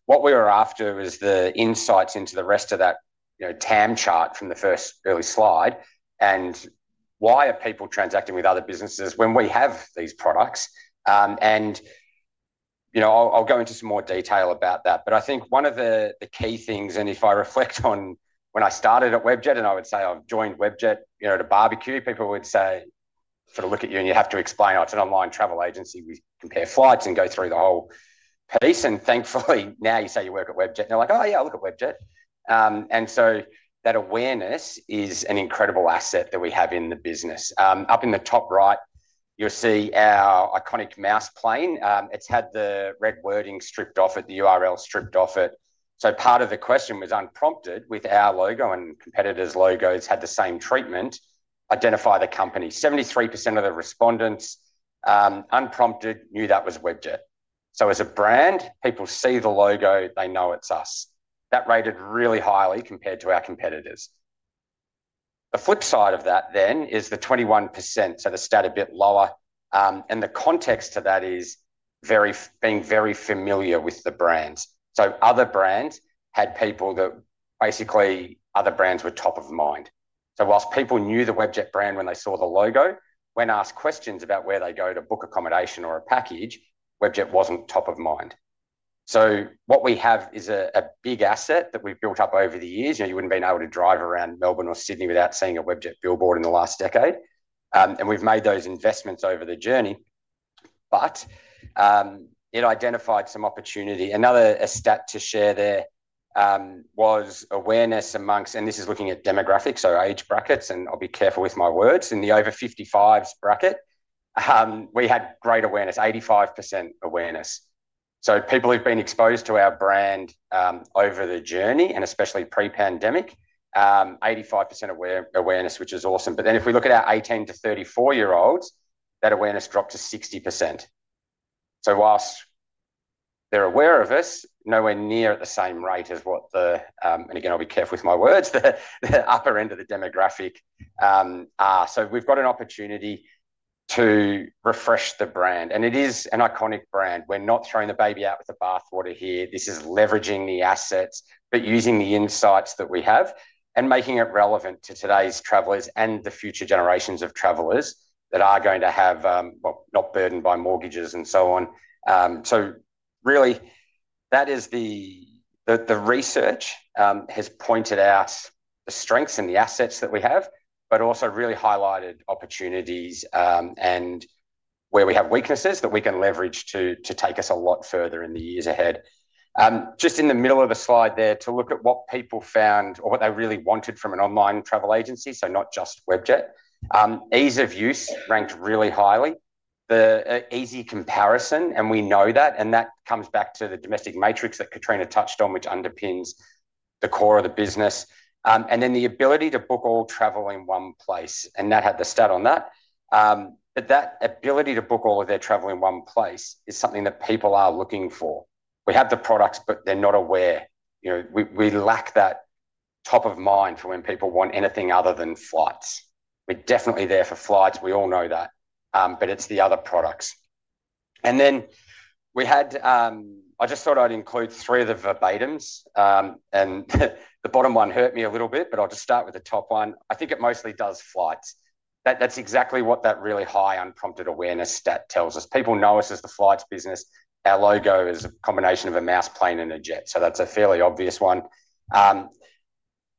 Speaker 3: What we were after was the insights into the rest of that TAM chart from the first early slide and why are people transacting with other businesses when we have these products. I'll go into some more detail about that. I think one of the key things, and if I reflect on when I started at Webjet and I would say, "I've joined Webjet to barbecue," people would sort of look at you and you have to explain, "It's an online travel agency. We compare flights and go through the whole piece. Thankfully, now you say you work at Webjet, they're like, "Oh, yeah, I look at Webjet." That awareness is an incredible asset that we have in the business. Up in the top right, you'll see our iconic mouse plane. It's had the red wording stripped off it, the URL stripped off it. Part of the question was unprompted with our logo and competitors' logos had the same treatment. Identify the company. 73% of the respondents unprompted knew that was Webjet. As a brand, people see the logo, they know it's us. That rated really highly compared to our competitors. The flip side of that then is the 21%, so the stat a bit lower. The context to that is being very familiar with the brands. Other brands had people that basically other brands were top of mind. Whilst people knew the Webjet brand when they saw the logo, when asked questions about where they go to book accommodation or a package, Webjet was not top of mind. What we have is a big asset that we have built up over the years. You would not have been able to drive around Melbourne or Sydney without seeing a Webjet billboard in the last decade. We have made those investments over the journey. It identified some opportunity. Another stat to share there was awareness amongst, and this is looking at demographics, so age brackets, and I will be careful with my words, in the over 55s bracket, we had great awareness, 85% awareness. People who have been exposed to our brand over the journey, and especially pre-pandemic, 85% awareness, which is awesome. If we look at our 18-34-year-olds, that awareness dropped to 60%. Whilst they're aware of us, nowhere near at the same rate as what the, and again, I'll be careful with my words, the upper end of the demographic are. We've got an opportunity to refresh the brand. It is an iconic brand. We're not throwing the baby out with the bathwater here. This is leveraging the assets, but using the insights that we have and making it relevant to today's travellers and the future generations of travellers that are going to have, not burdened by mortgages and so on. Really, that is the research has pointed out the strengths and the assets that we have, but also really highlighted opportunities and where we have weaknesses that we can leverage to take us a lot further in the years ahead. Just in the middle of a slide there to look at what people found or what they really wanted from an online travel agency, so not just Webjet, ease of use ranked really highly, the easy comparison, and we know that. That comes back to the domestic matrix that Katrina touched on, which underpins the core of the business. The ability to book all travel in one place. Nat had the stat on that. That ability to book all of their travel in one place is something that people are looking for. We have the products, but they're not aware. We lack that top of mind for when people want anything other than flights. We're definitely there for flights. We all know that. It's the other products. I just thought I'd include three of the verbatims. The bottom one hurt me a little bit, but I'll just start with the top one. I think it mostly does flights. That's exactly what that really high unprompted awareness stat tells us. People know us as the flights business. Our logo is a combination of a mouse plane and a jet. That's a fairly obvious one.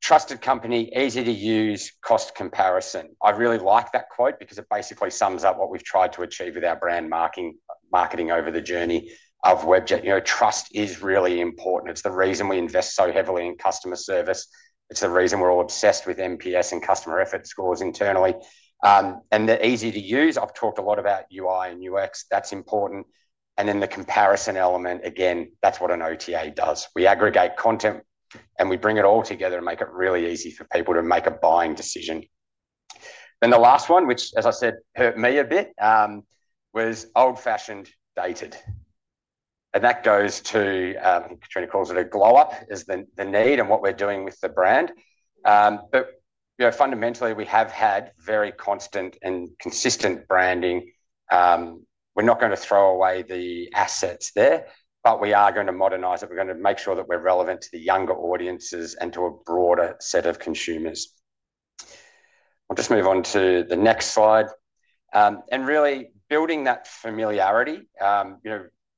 Speaker 3: Trusted company, easy to use, cost comparison. I really like that quote because it basically sums up what we've tried to achieve with our brand marketing over the journey of Webjet. Trust is really important. It's the reason we invest so heavily in customer service. It's the reason we're all obsessed with MPS and customer effort scores internally. They're easy to use. I've talked a lot about UI and UX. That's important. The comparison element, again, that's what an OTA does. We aggregate content and we bring it all together and make it really easy for people to make a buying decision. The last one, which, as I said, hurt me a bit, was old-fashioned, dated. That goes to, I think Katrina calls it a glow-up, is the need and what we're doing with the brand. Fundamentally, we have had very constant and consistent branding. We're not going to throw away the assets there, but we are going to modernize it. We're going to make sure that we're relevant to the younger audiences and to a broader set of consumers. I'll just move on to the next slide. Really building that familiarity,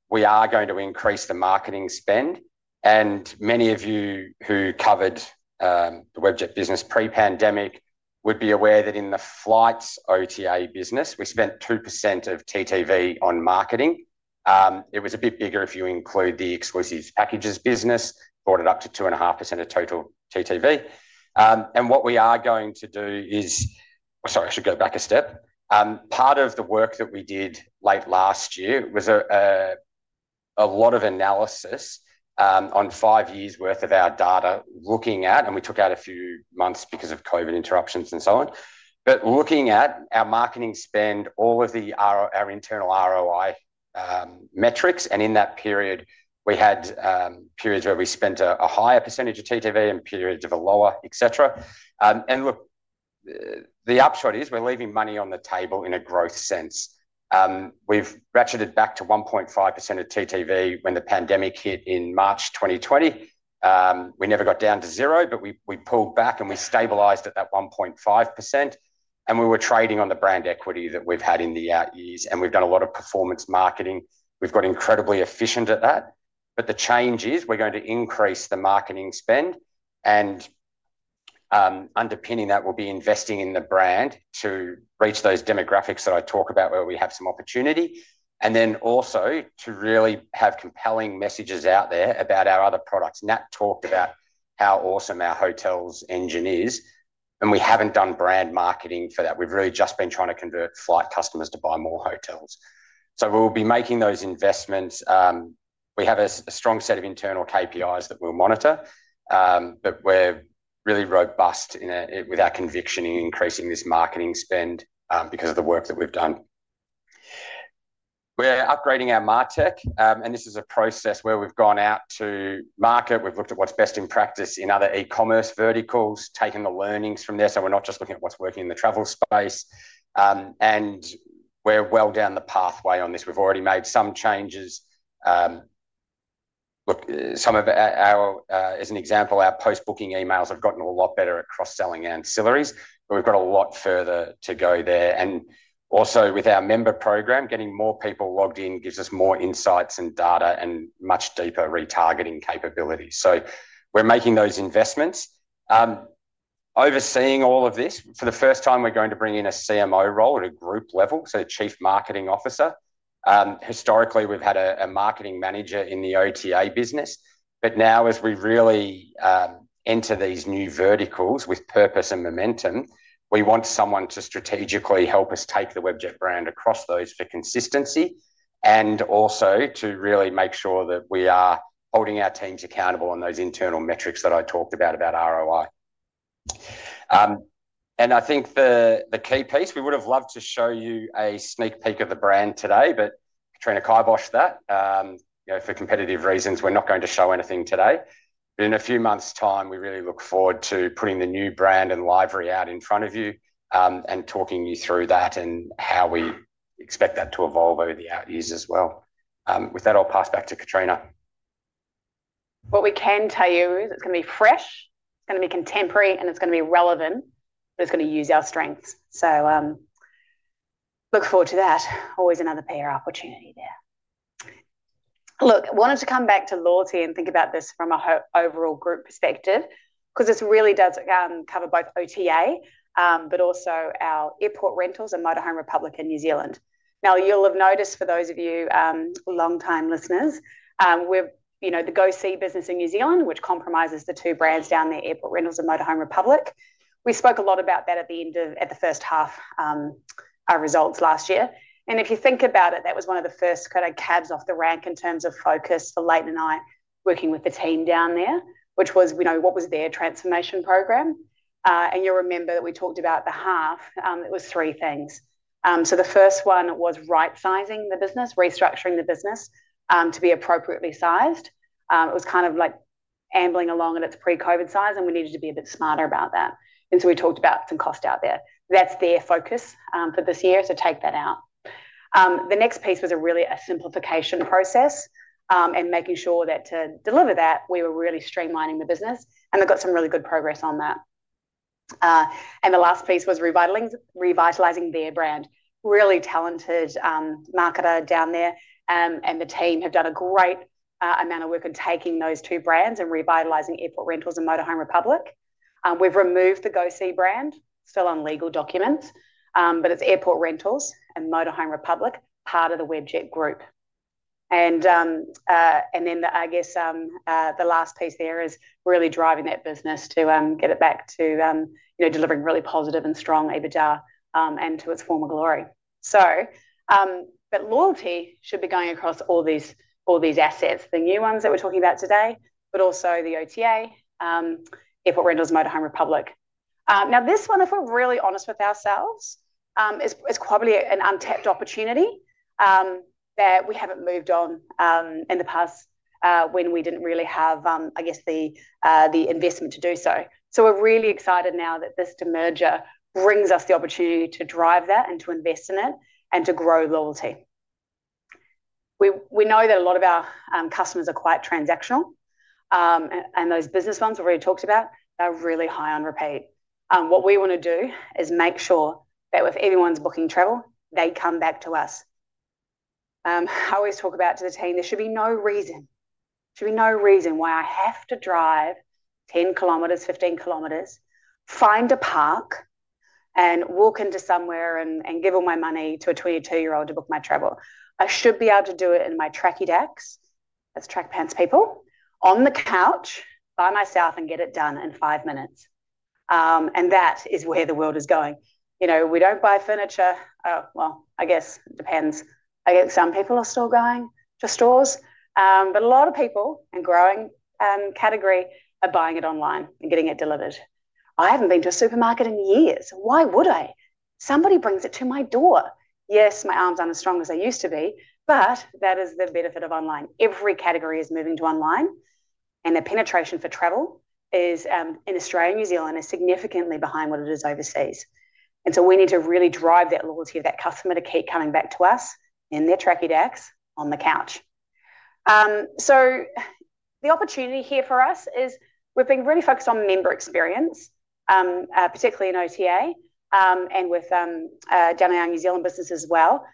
Speaker 3: we are going to increase the marketing spend. Many of you who covered the Webjet business pre-pandemic would be aware that in the flights OTA business, we spent 2% of TTV on marketing. It was a bit bigger if you include the exclusive packages business, brought it up to 2.5% of total TTV. What we are going to do is, sorry, I should go back a step. Part of the work that we did late last year was a lot of analysis on five years' worth of our data looking at, and we took out a few months because of COVID interruptions and so on. Looking at our marketing spend, all of our internal ROI metrics, and in that period, we had periods where we spent a higher percentage of TTV and periods of a lower, etc. The upshot is we're leaving money on the table in a growth sense. We've ratcheted back to 1.5% of TTV when the pandemic hit in March 2020. We never got down to zero, but we pulled back and we stabilized at that 1.5%. We were trading on the brand equity that we've had in the years. We've done a lot of performance marketing. We've got incredibly efficient at that. The change is we're going to increase the marketing spend. Underpinning that will be investing in the brand to reach those demographics that I talk about where we have some opportunity. Also, to really have compelling messages out there about our other products. Nat talked about how awesome our hotels engine is. We haven't done brand marketing for that. We've really just been trying to convert flight customers to buy more hotels. We'll be making those investments. We have a strong set of internal KPIs that we'll monitor. We are really robust with our conviction in increasing this marketing spend because of the work that we have done. We are upgrading our MarTech. This is a process where we have gone out to market. We have looked at what is best in practice in other e-commerce verticals, taken the learnings from there. We are not just looking at what is working in the travel space. We are well down the pathway on this. We have already made some changes. Look, some of our, as an example, our post-booking emails have gotten a lot better at cross-selling ancillaries. We have a lot further to go there. Also with our member program, getting more people logged in gives us more insights and data and much deeper retargeting capability. We are making those investments. Overseeing all of this, for the first time, we're going to bring in a CMO role at a group level, so Chief Marketing Officer. Historically, we've had a marketing manager in the OTA business. Now, as we really enter these new verticals with purpose and momentum, we want someone to strategically help us take the Webjet brand across those for consistency and also to really make sure that we are holding our teams accountable on those internal metrics that I talked about, about ROI. I think the key piece, we would have loved to show you a sneak peek of the brand today, but Katrina Barry that. For competitive reasons, we're not going to show anything today. In a few months' time, we really look forward to putting the new brand and library out in front of you and talking you through that and how we expect that to evolve over the years as well. With that, I'll pass back to Katrina.
Speaker 2: What we can tell you is it's going to be fresh, it's going to be contemporary, and it's going to be relevant, but it's going to use our strengths. Look forward to that. Always another PR opportunity there. I wanted to come back to Loyalty and think about this from an overall group perspective because this really does cover both OTA, but also our Airport Rentals and Motorhome Republic in New Zealand. Now, you'll have noticed, for those of you long-time listeners, we're the Go See business in New Zealand, which comprises the two brands down there, Airport Rentals and Motorhome Republic. We spoke a lot about that at the end of the first half of our results last year. If you think about it, that was one of the first kind of cabs off the rank in terms of focus for Layton working with the team down there, which was, what was their transformation program? You'll remember that we talked about the half, it was three things. The first one was right-sizing the business, restructuring the business to be appropriately sized. It was kind of like ambling along at its pre-COVID size, and we needed to be a bit smarter about that. We talked about some cost out there. That's their focus for this year, so take that out. The next piece was really a simplification process and making sure that to deliver that, we were really streamlining the business. They've got some really good progress on that. The last piece was revitalizing their brand. Really talented marketer down there. The team have done a great amount of work in taking those two brands and revitalizing Airport Rentals and Motorhome Republic. We've removed the Go See brand, still on legal documents, but it's Airport Rentals and Motorhome Republic, part of the Webjet Group. I guess the last piece there is really driving that business to get it back to delivering really positive and strong EBITDA and to its former glory. Loyalty should be going across all these assets, the new ones that we're talking about today, but also the OTA, Airport Rentals, Motorhome Republic. Now, this one, if we're really honest with ourselves, is probably an untapped opportunity that we haven't moved on in the past when we didn't really have, I guess, the investment to do so. We are really excited now that this merger brings us the opportunity to drive that and to invest in it and to grow loyalty. We know that a lot of our customers are quite transactional. Those business ones we've already talked about are really high on repeat. What we want to do is make sure that if anyone's booking travel, they come back to us. I always talk about to the team, there should be no reason. There should be no reason why I have to drive 10 km, 15 km, find a park and walk into somewhere and give all my money to a 22-year-old to book my travel. I should be able to do it in my trackie dacks, that's track pants people, on the couch by myself and get it done in five minutes. That is where the world is going. We do not buy furniture. I guess it depends. I guess some people are still going to stores. A lot of people in the growing category are buying it online and getting it delivered. I have not been to a supermarket in years. Why would I? Somebody brings it to my door. Yes, my arms are not as strong as they used to be, but that is the benefit of online. Every category is moving to online. The penetration for travel in Australia and New Zealand is significantly behind what it is overseas. We need to really drive that loyalty of that customer to keep coming back to us in their trackie dacks on the couch. The opportunity here for us is we've been really focused on member experience, particularly in OTA and with down our New Zealand business as well,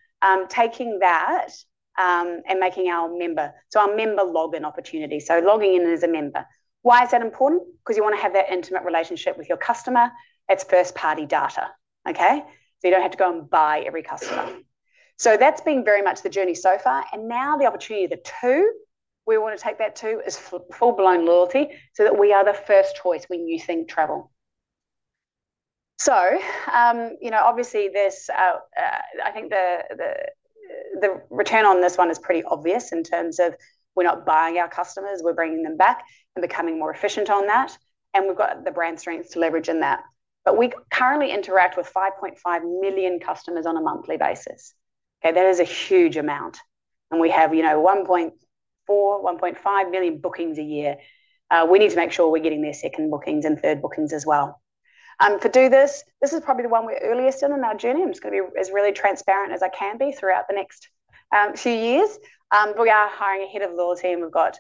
Speaker 2: taking that and making our member, so our member login opportunity. Logging in as a member. Why is that important? Because you want to have that intimate relationship with your customer. It's first-party data. Okay? You don't have to go and buy every customer. That's been very much the journey so far. Now the opportunity that too, we want to take that too is full-blown loyalty so that we are the first choice when you think travel. Obviously, I think the return on this one is pretty obvious in terms of we're not buying our customers, we're bringing them back and becoming more efficient on that. We've got the brand strength to leverage in that. We currently interact with 5.5 million customers on a monthly basis. Okay? That is a huge amount. We have 1.4 million-1.5 million bookings a year. We need to make sure we're getting their second bookings and third bookings as well. To do this, this is probably the one we're earliest in in our journey. I'm just going to be as really transparent as I can be throughout the next few years. We are hiring ahead of the loyalty. We've got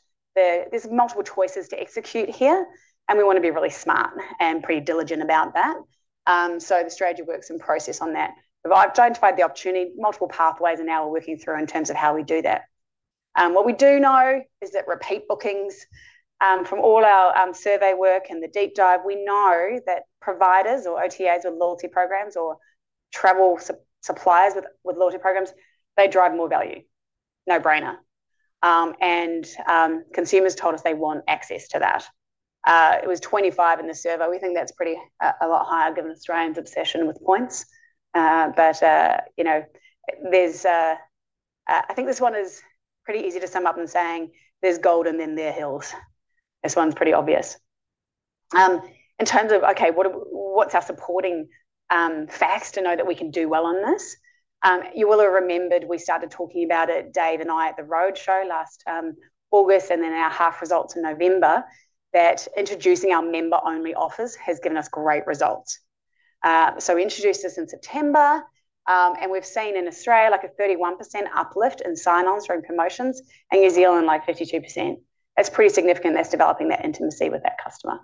Speaker 2: multiple choices to execute here. We want to be really smart and pretty diligent about that. The strategy works in process on that. We've identified the opportunity, multiple pathways, and now we're working through in terms of how we do that. What we do know is that repeat bookings from all our survey work and the deep dive, we know that providers or OTAs with loyalty programs or travel suppliers with loyalty programs, they drive more value. No brainer. And consumers told us they want access to that. It was 25% in the survey. We think that's a lot higher given Australians' obsession with points. I think this one is pretty easy to sum up in saying there's gold and then there are hills. This one's pretty obvious. In terms of, okay, what's our supporting facts to know that we can do well on this? You will have remembered we started talking about it, Dave and I at the roadshow last August and then our half results in November, that introducing our member-only offers has given us great results. We introduced this in September. We have seen in Australia like a 31% uplift in sign-ons during promotions and New Zealand like 52%. It is pretty significant that is developing that intimacy with that customer.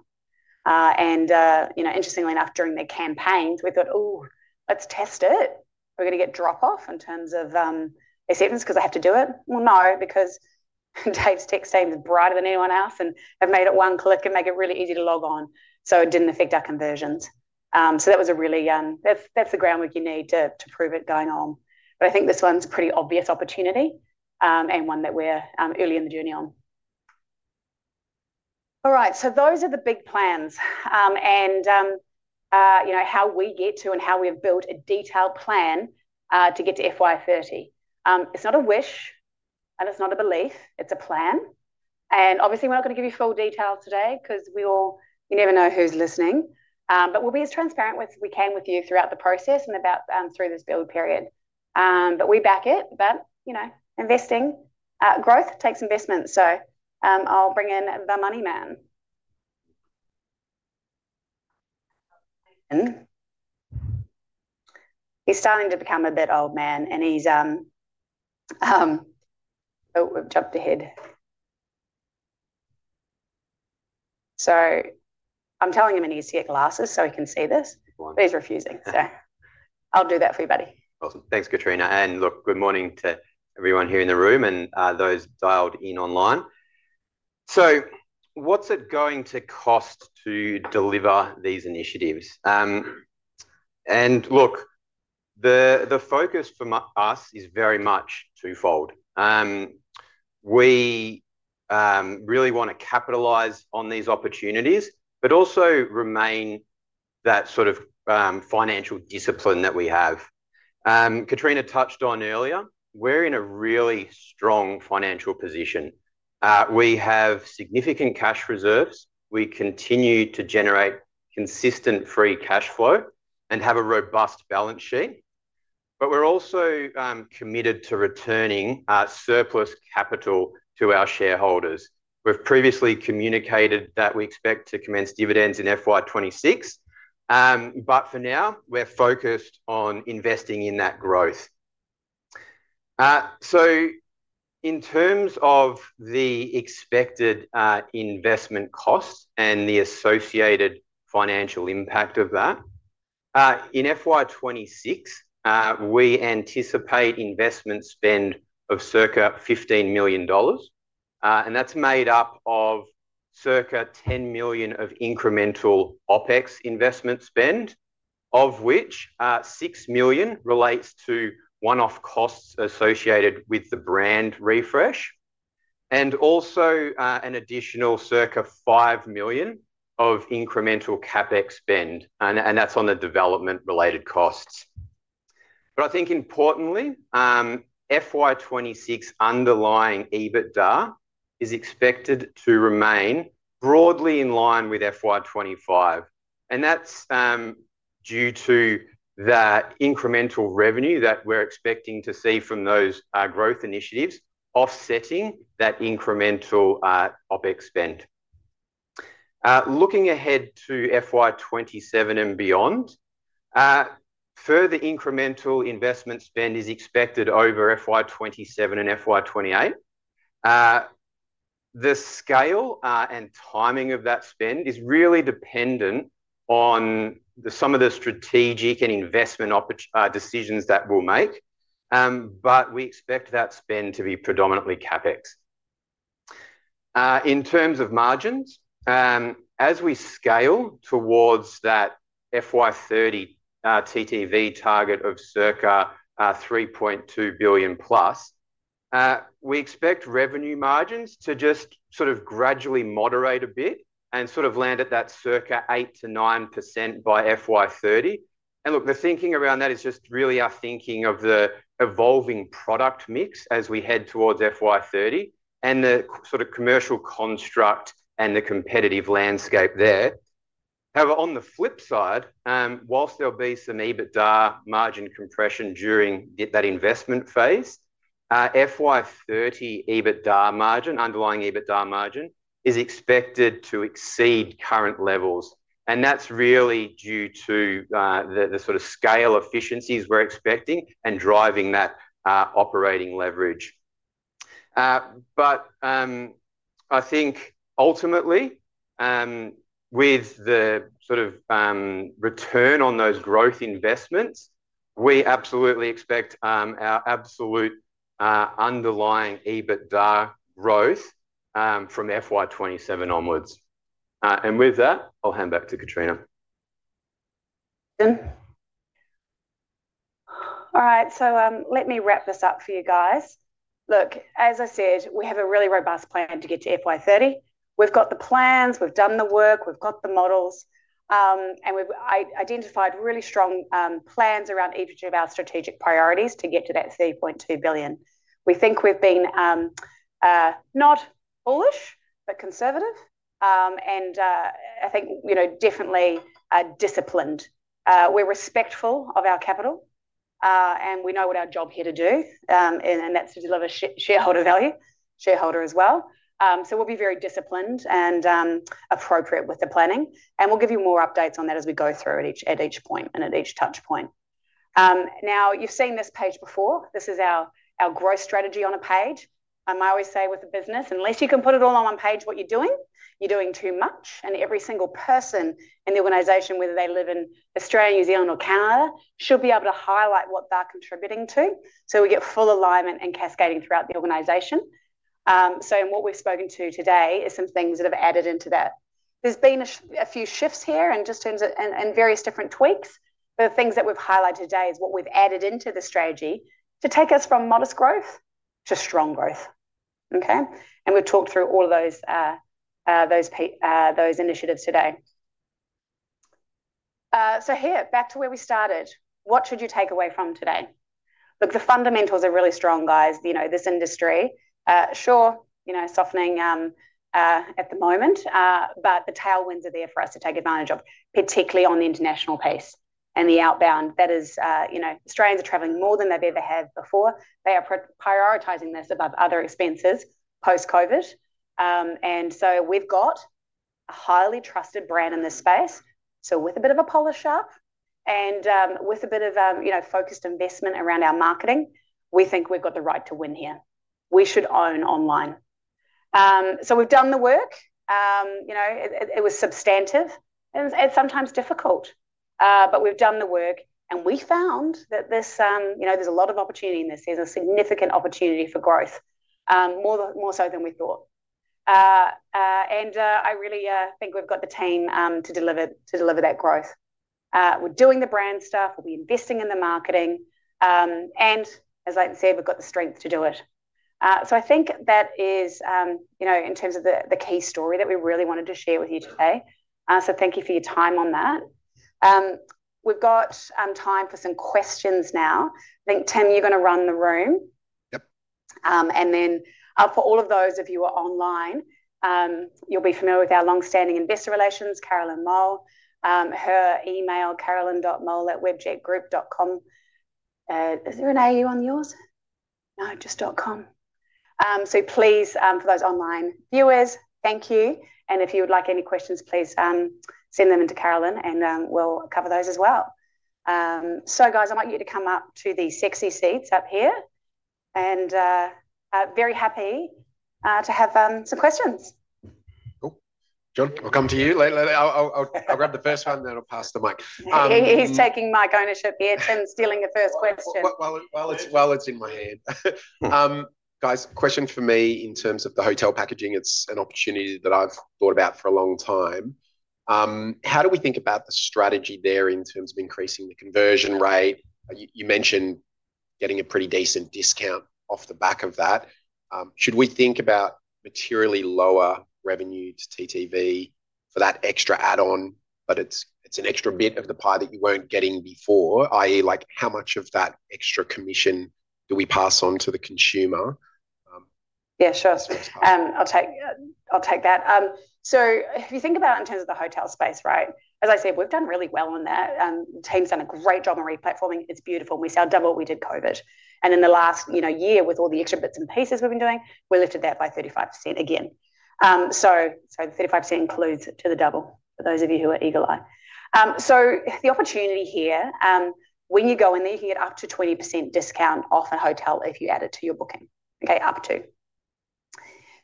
Speaker 2: Interestingly enough, during their campaigns, we thought, "Ooh, let's test it. We are going to get drop-off in terms of acceptance because I have to do it." No, because Dave's tech team is brighter than anyone else and have made it one click and make it really easy to log on. It did not affect our conversions. That was a really that is the groundwork you need to prove it going on. I think this one's a pretty obvious opportunity and one that we're early in the journey on. All right. Those are the big plans and how we get to and how we have built a detailed plan to get to FY 2030. It's not a wish, and it's not a belief. It's a plan. Obviously, we're not going to give you full details today because you never know who's listening. We'll be as transparent as we can with you throughout the process and through this build period. We back it. Investing growth takes investment. I'll bring in the money man. He's starting to become a bit old man. He's jumped ahead. I'm telling him he needs to get glasses so he can see this. He's refusing. I'll do that for you, buddy. Awesome. Thanks, Katrina. Good morning to everyone here in the room and those dialed in online. What's it going to cost to deliver these initiatives? The focus for us is very much twofold. We really want to capitalise on these opportunities, but also remain that sort of financial discipline that we have. Katrina touched on earlier, we're in a really strong financial position. We have significant cash reserves. We continue to generate consistent free cash flow and have a robust balance sheet. We're also committed to returning surplus capital to our shareholders. We've previously communicated that we expect to commence dividends in FY 2026. For now, we're focused on investing in that growth. In terms of the expected investment cost and the associated financial impact of that, in FY 2026, we anticipate investment spend of circa 15 million dollars. That is made up of circa 10 million of incremental OpEx investment spend, of which 6 million relates to one-off costs associated with the brand refresh and also an additional circa 5 million of incremental CapEx spend. That is on the development-related costs. I think importantly, FY 2026 underlying EBITDA is expected to remain broadly in line with FY 2025. That is due to the incremental revenue that we are expecting to see from those growth initiatives offsetting that incremental OpEx spend. Looking ahead to FY 2027 and beyond, further incremental investment spend is expected over FY 2027 and FY 2028. The scale and timing of that spend is really dependent on some of the strategic and investment decisions that we will make. We expect that spend to be predominantly CapEx. In terms of margins, as we scale towards that FY 2030 TTV target of circa 3.2 billion plus, we expect revenue margins to just sort of gradually moderate a bit and sort of land at that circa 8%-9% by FY 2030. The thinking around that is just really our thinking of the evolving product mix as we head towards FY 2030 and the sort of commercial construct and the competitive landscape there. However, on the flip side, whilst there'll be some EBITDA margin compression during that investment phase, FY 2030 EBITDA margin, underlying EBITDA margin is expected to exceed current levels. That's really due to the sort of scale efficiencies we're expecting and driving that operating leverage. I think ultimately, with the sort of return on those growth investments, we absolutely expect our absolute underlying EBITDA growth from FY 2027 onwards. With that, I'll hand back to Katrina. All right. Let me wrap this up for you guys. Look, as I said, we have a really robust plan to get to FY 2030. We've got the plans. We've done the work. We've got the models. We've identified really strong plans around each of our strategic priorities to get to that 3.2 billion. We think we've been not bullish, but conservative. I think definitely disciplined. We're respectful of our capital. We know what our job here is to do, and that's to deliver shareholder value, shareholder as well. We'll be very disciplined and appropriate with the planning. We'll give you more updates on that as we go through at each point and at each touchpoint. Now, you've seen this page before. This is our growth strategy on a page. I always say with a business, unless you can put it all on one page, what you're doing, you're doing too much. Every single person in the organization, whether they live in Australia, New Zealand, or Canada, should be able to highlight what they're contributing to so we get full alignment and cascading throughout the organization. What we've spoken to today is some things that have added into that. There have been a few shifts here and various different tweaks. The things that we've highlighted today are what we've added into the strategy to take us from modest growth to strong growth. Okay? We've talked through all of those initiatives today. Here, back to where we started. What should you take away from today? Look, the fundamentals are really strong, guys. This industry, sure, softening at the moment, but the tailwinds are there for us to take advantage of, particularly on the international piece and the outbound. That is, Australians are travelling more than they've ever had before. They are prioritizing this above other expenses post-COVID. We have a highly trusted brand in this space. With a bit of a polish up and with a bit of focused investment around our marketing, we think we've got the right to win here. We should own online. We've done the work. It was substantive and sometimes difficult. We've done the work. We found that there's a lot of opportunity in this. There's a significant opportunity for growth, more so than we thought. I really think we've got the team to deliver that growth. We're doing the brand stuff. We'll be investing in the marketing. As I said, we've got the strength to do it. I think that is in terms of the key story that we really wanted to share with you today. Thank you for your time on that. We've got time for some questions now. I think, Tim, you're going to run the room. Yep. For all of those of you who are online, you'll be familiar with our long-standing investor relations, Carolyn Mole. Her email, carolyn.mole@webjetgroup.com. Is there an AU on yours? No, just dot com. Please, for those online viewers, thank you. If you would like any questions, please send them into Carolyn, and we'll cover those as well. Guys, I want you to come up to the sexy seats up here. Very happy to have some questions. Cool. John, I'll come to you. I'll grab the first hand, then I'll pass the mic. He's taking mic ownership here, Tim, stealing the first question. While it's in my hand. Guys, question for me in terms of the hotel packaging. It's an opportunity that I've thought about for a long time. How do we think about the strategy there in terms of increasing the conversion rate? You mentioned getting a pretty decent discount off the back of that. Should we think about materially lower revenue to TTV for that extra add-on, but it's an extra bit of the pie that you weren't getting before, i.e., how much of that extra commission do we pass on to the consumer? Yeah, sure. I'll take that. If you think about it in terms of the hotel space, right, as I said, we've done really well on that. The team's done a great job on replatforming. It's beautiful. We said, "I'll double what we did COVID." In the last year, with all the extra bits and pieces we've been doing, we lifted that by 35% again. The 35% includes the double for those of you who are eagle-eye. The opportunity here, when you go in there, you can get up to 20% discount off a hotel if you add it to your booking. Okay? Up to.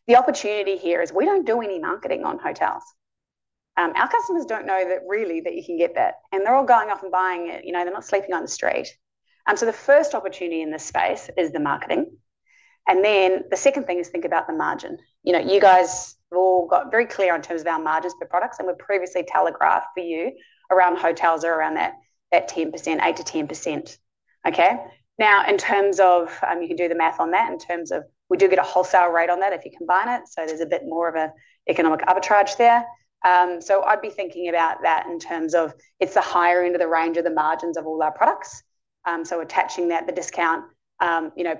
Speaker 2: The opportunity here is we do not do any marketing on hotels. Our customers do not know really that you can get that. They are all going off and buying it. They are not sleeping on the street. The first opportunity in this space is the marketing. The second thing is think about the margin. You guys have all got very clear on terms of our margins for products. We've previously telegraphed for you around hotels are around that 8%-10%. Okay? Now, in terms of you can do the math on that in terms of we do get a wholesale rate on that if you combine it. There's a bit more of an economic arbitrage there. I'd be thinking about that in terms of it's the higher end of the range of the margins of all our products. Attaching that, the discount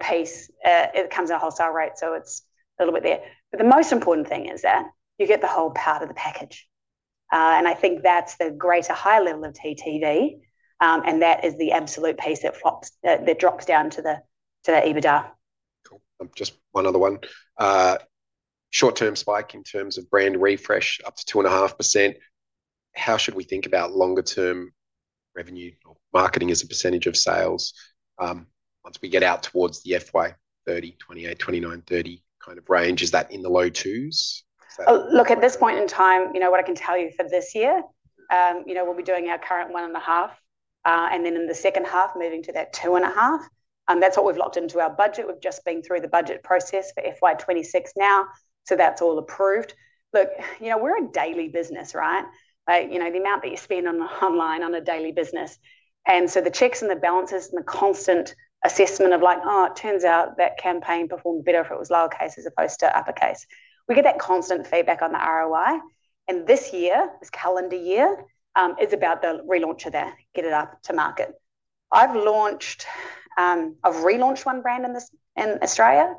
Speaker 2: piece, it comes at a wholesale rate. It's a little bit there. The most important thing is that you get the whole part of the package. I think that's the greater high level of TTV. That is the absolute piece that drops down to the EBITDA. Just one other one. Short-term spike in terms of brand refresh up to 2.5%. How should we think about longer-term revenue or marketing as a percentage of sales once we get out towards the FY 2030, 2028, 2029, 2030 kind of range? Is that in the low twos? Look, at this point in time, what I can tell you for this year, we'll be doing our current 1.5. And then in the second half, moving to that 2.5. That's what we've locked into our budget. We've just been through the budget process for FY 2026 now. So that's all approved. Look, we're a daily business, right? The amount that you spend online on a daily business. And so the checks and the balances and the constant assessment of like, "Oh, it turns out that campaign performed better if it was lower case as opposed to upper case." We get that constant feedback on the ROI. This year, this calendar year, is about the relaunch of that, get it up to market. I've relaunched one brand in Australia.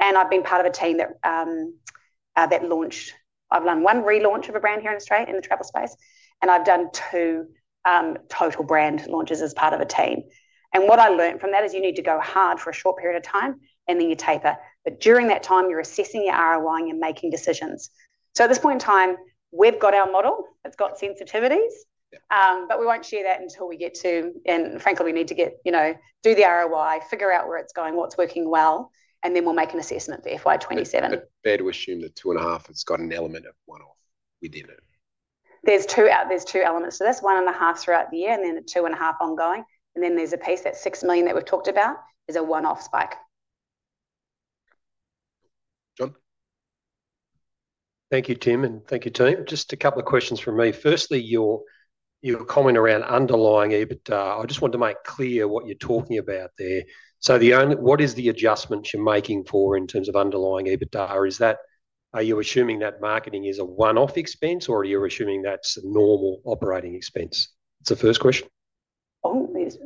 Speaker 2: I've been part of a team that launched. I've done one relaunch of a brand here in Australia in the travel space. I've done two total brand launches as part of a team. What I learned from that is you need to go hard for a short period of time, and then you taper. During that time, you're assessing your ROI and you're making decisions. At this point in time, we've got our model. It's got sensitivities. We won't share that until we get to, and frankly, we need to do the ROI, figure out where it's going, what's working well. Then we'll make an assessment for FY 2027. Fair to assume that two and a half has got an element of one-off within it. There's two elements to this. One and a half throughout the year, and then two and a half ongoing. And then there's a piece at 6 million that we've talked about is a one-off spike. Thank you, Tim, and thank you, Ton. Just a couple of questions from me. Firstly, your comment around underlying EBITDA, I just want to make clear what you're talking about there. So what is the adjustment you're making for in terms of underlying EBITDA? Are you assuming that marketing is a one-off expense, or are you assuming that's a normal operating expense? That's the first question.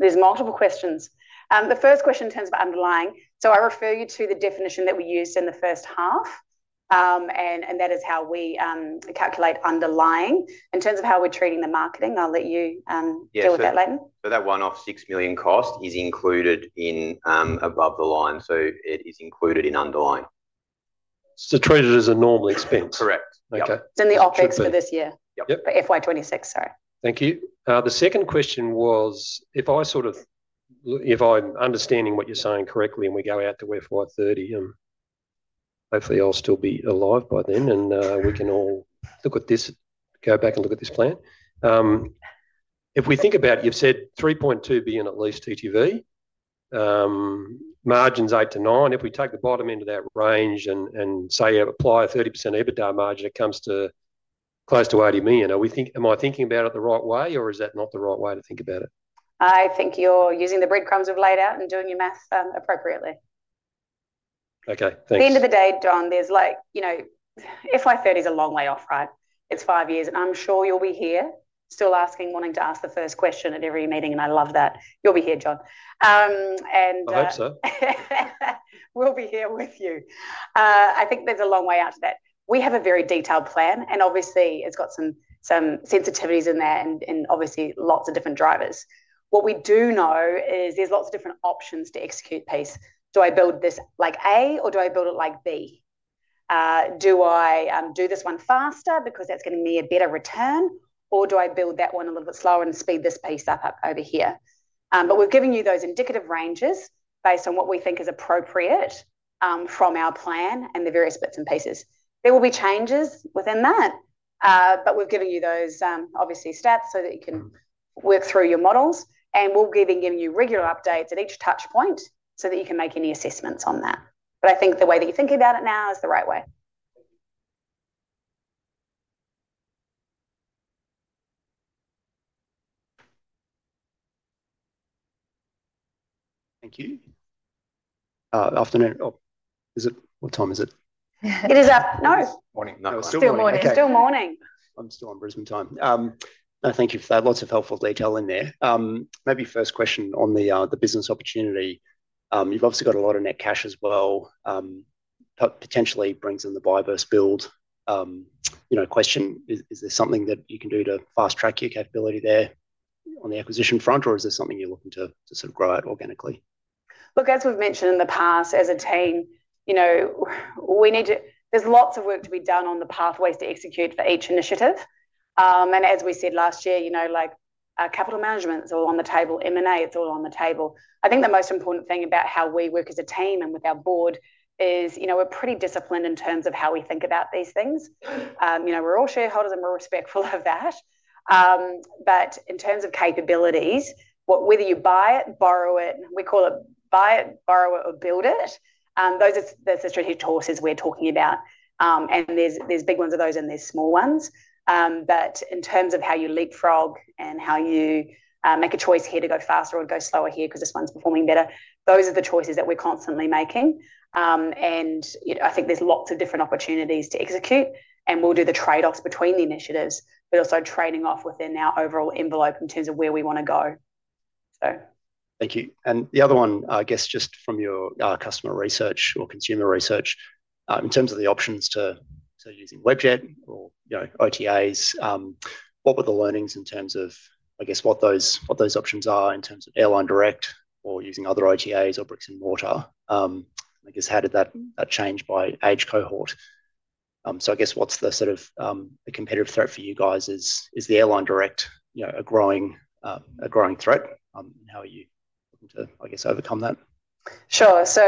Speaker 2: There's multiple questions. The first question in terms of underlying, so I refer you to the definition that we used in the first half. And that is how we calculate underlying. In terms of how we're treating the marketing, I'll let you deal with that, Layton.
Speaker 3: That one-off 6 million cost is included in above the line. It is included in underlying. Treated as a normal expense? Correct.
Speaker 2: It is in the OpEx for this year. For FY 2026, sorry. Thank you. The second question was, if I sort of, if I'm understanding what you're saying correctly, and we go out to FY 2030, hopefully, I'll still be alive by then, and we can all go back and look at this plan. If we think about, you've said 3.2 billion at least TTV, margins 8%-9%. If we take the bottom end of that range and say, apply a 30% EBITDA margin, it comes to close to 80 million. Am I thinking about it the right way, or is that not the right way to think about it? I think you're using the breadcrumbs we've laid out and doing your math appropriately. Okay. Thanks. At the end of the day, John, there's like, FY 2030 is a long way off, right? It's five years. I'm sure you'll be here still wanting to ask the first question at every meeting. I love that. You'll be here, John. I hope so. We'll be here with you. I think there's a long way out to that. We have a very detailed plan. Obviously, it's got some sensitivities in there and obviously lots of different drivers. What we do know is there's lots of different options to execute piece. Do I build this like A, or do I build it like B? Do I do this one faster because that's giving me a better return, or do I build that one a little bit slower and speed this piece up over here? We have given you those indicative ranges based on what we think is appropriate from our plan and the various bits and pieces. There will be changes within that. We have given you those, obviously, stats so that you can work through your models. We will be giving you regular updates at each touchpoint so that you can make any assessments on that. I think the way that you're thinking about it now is the right way. Thank you. Afternoon. What time is it? It is afternoon. No. Morning. Still morning. I'm still on Brisbane time. No, thank you for that. Lots of helpful detail in there. Maybe first question on the business opportunity. You've obviously got a lot of net cash as well. Potentially brings in the buy-versus-build question. Is there something that you can do to fast-track your capability there on the acquisition front, or is there something you're looking to sort of grow out organically? Look, as we've mentioned in the past, as a team, we need to—there's lots of work to be done on the pathways to execute for each initiative. As we said last year, capital management is all on the table. M&A, it's all on the table. I think the most important thing about how we work as a team and with our board is we're pretty disciplined in terms of how we think about these things. We're all shareholders, and we're respectful of that. In terms of capabilities, whether you buy it, borrow it, we call it buy it, borrow it, or build it, those are the strategic choices we're talking about. There are big ones of those and there are small ones. In terms of how you leapfrog and how you make a choice here to go faster or go slower here because this one's performing better, those are the choices that we're constantly making. I think there are lots of different opportunities to execute. We'll do the trade-offs between the initiatives, but also trading off within our overall envelope in terms of where we want to go. Thank you. Thank you. The other one, I guess, just from your customer research or consumer research, in terms of the options to using Webjet or OTAs, what were the learnings in terms of, I guess, what those options are in terms of airline direct or using other OTAs or bricks and mortar? I guess, how did that change by age cohort? I guess, what's the sort of competitive threat for you guys? Is the airline direct a growing threat? How are you looking to, I guess, overcome that? Sure. As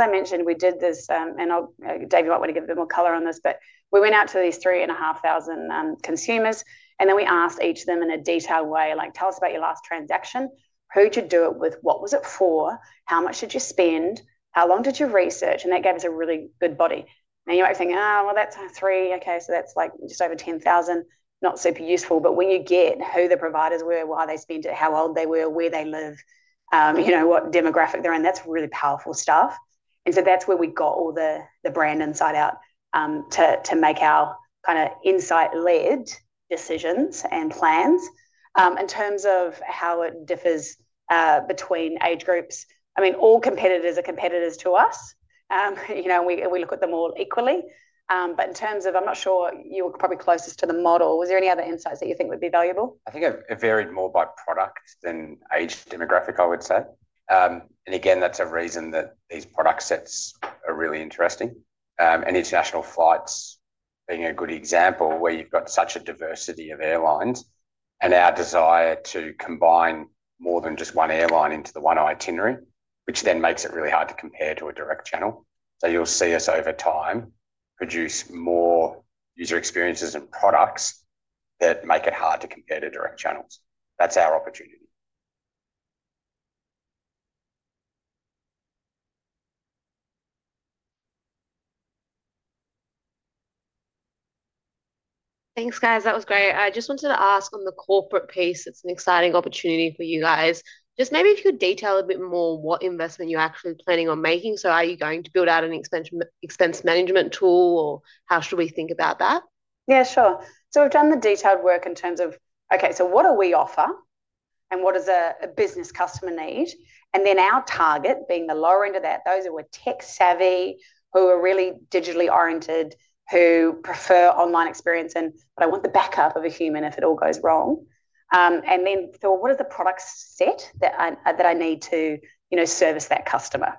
Speaker 2: I mentioned, we did this—and David might want to give a bit more color on this—but we went out to these three and a half thousand consumers. Then we asked each of them in a detailed way, like, "Tell us about your last transaction. Who did you do it with? What was it for? How much did you spend? How long did you research? That gave us a really good body. You might think, "Oh, well, that's three. Okay. So that's just over 10,000. Not super useful." When you get who the providers were, why they spent it, how old they were, where they live, what demographic they're in, that's really powerful stuff. That is where we got all the brand insight out to make our kind of insight-led decisions and plans in terms of how it differs between age groups. I mean, all competitors are competitors to us. We look at them all equally. In terms of—I am not sure you were probably closest to the model. Was there any other insights that you think would be valuable?
Speaker 3: I think it varied more by product than age demographic, I would say. That's a reason that these product sets are really interesting. International flights being a good example where you've got such a diversity of airlines and our desire to combine more than just one airline into the one itinerary, which then makes it really hard to compare to a direct channel. You'll see us over time produce more user experiences and products that make it hard to compare to direct channels. That's our opportunity. Thanks, guys. That was great. I just wanted to ask on the corporate piece. It's an exciting opportunity for you guys. Maybe if you could detail a bit more what investment you're actually planning on making. Are you going to build out an expense management tool, or how should we think about that?
Speaker 2: Yeah, sure. We have done the detailed work in terms of, okay, what do we offer and what does a business customer need? Our target is the lower end of that, those who are tech-savvy, who are really digitally oriented, who prefer online experience, and want the backup of a human if it all goes wrong. Then thought, what is the product set that I need to service that customer?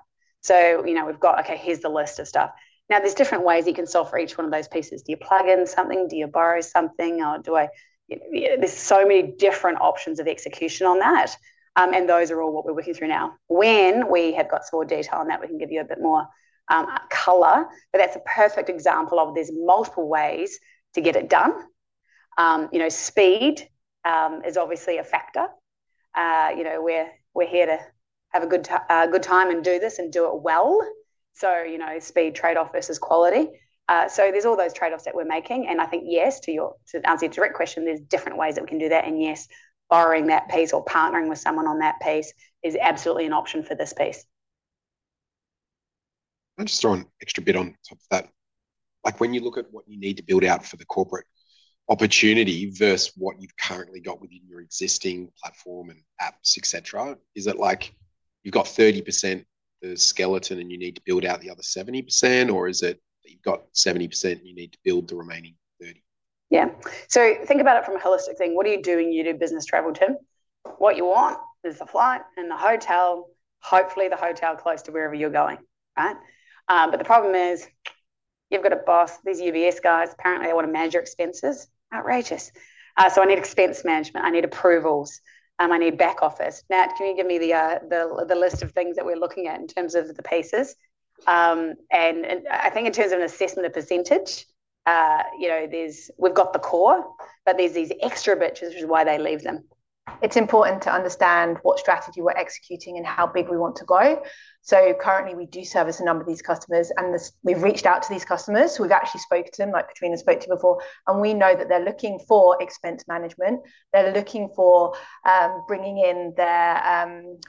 Speaker 2: We have, okay, here is the list of stuff. There are different ways you can solve for each one of those pieces. Do you plug in something? Do you borrow something? Or do I—there are so many different options of execution on that. Those are all what we are working through now. When we have got some more detail on that, we can give you a bit more color. That's a perfect example of there's multiple ways to get it done. Speed is obviously a factor. We're here to have a good time and do this and do it well. Speed, trade-off versus quality. There are all those trade-offs that we're making. I think, yes, to answer your direct question, there's different ways that we can do that. Yes, borrowing that piece or partnering with someone on that piece is absolutely an option for this piece. I'm just throwing an extra bit on top of that. When you look at what you need to build out for the corporate opportunity versus what you've currently got within your existing platform and apps, etc., is it like you've got 30%, the skeleton, and you need to build out the other 70%, or is it that you've got 70% and you need to build the remaining 30%? Yeah. Think about it from a holistic thing. What are you doing? You do business travel, Tim. What you want is the flight and the hotel, hopefully the hotel close to wherever you're going, right? The problem is you've got a boss, these UBS guys, apparently they want to manage your expenses. Outrageous. I need expense management. I need approvals. I need back office. Matt, can you give me the list of things that we're looking at in terms of the pieces? I think in terms of an assessment of %, we've got the core, but there's these extra bits, which is why they leave them. It's important to understand what strategy we're executing and how big we want to go. Currently, we do service a number of these customers. We've reached out to these customers. We've actually spoken to them, like Katrina spoke to you before. We know that they're looking for expense management. They're looking for bringing in their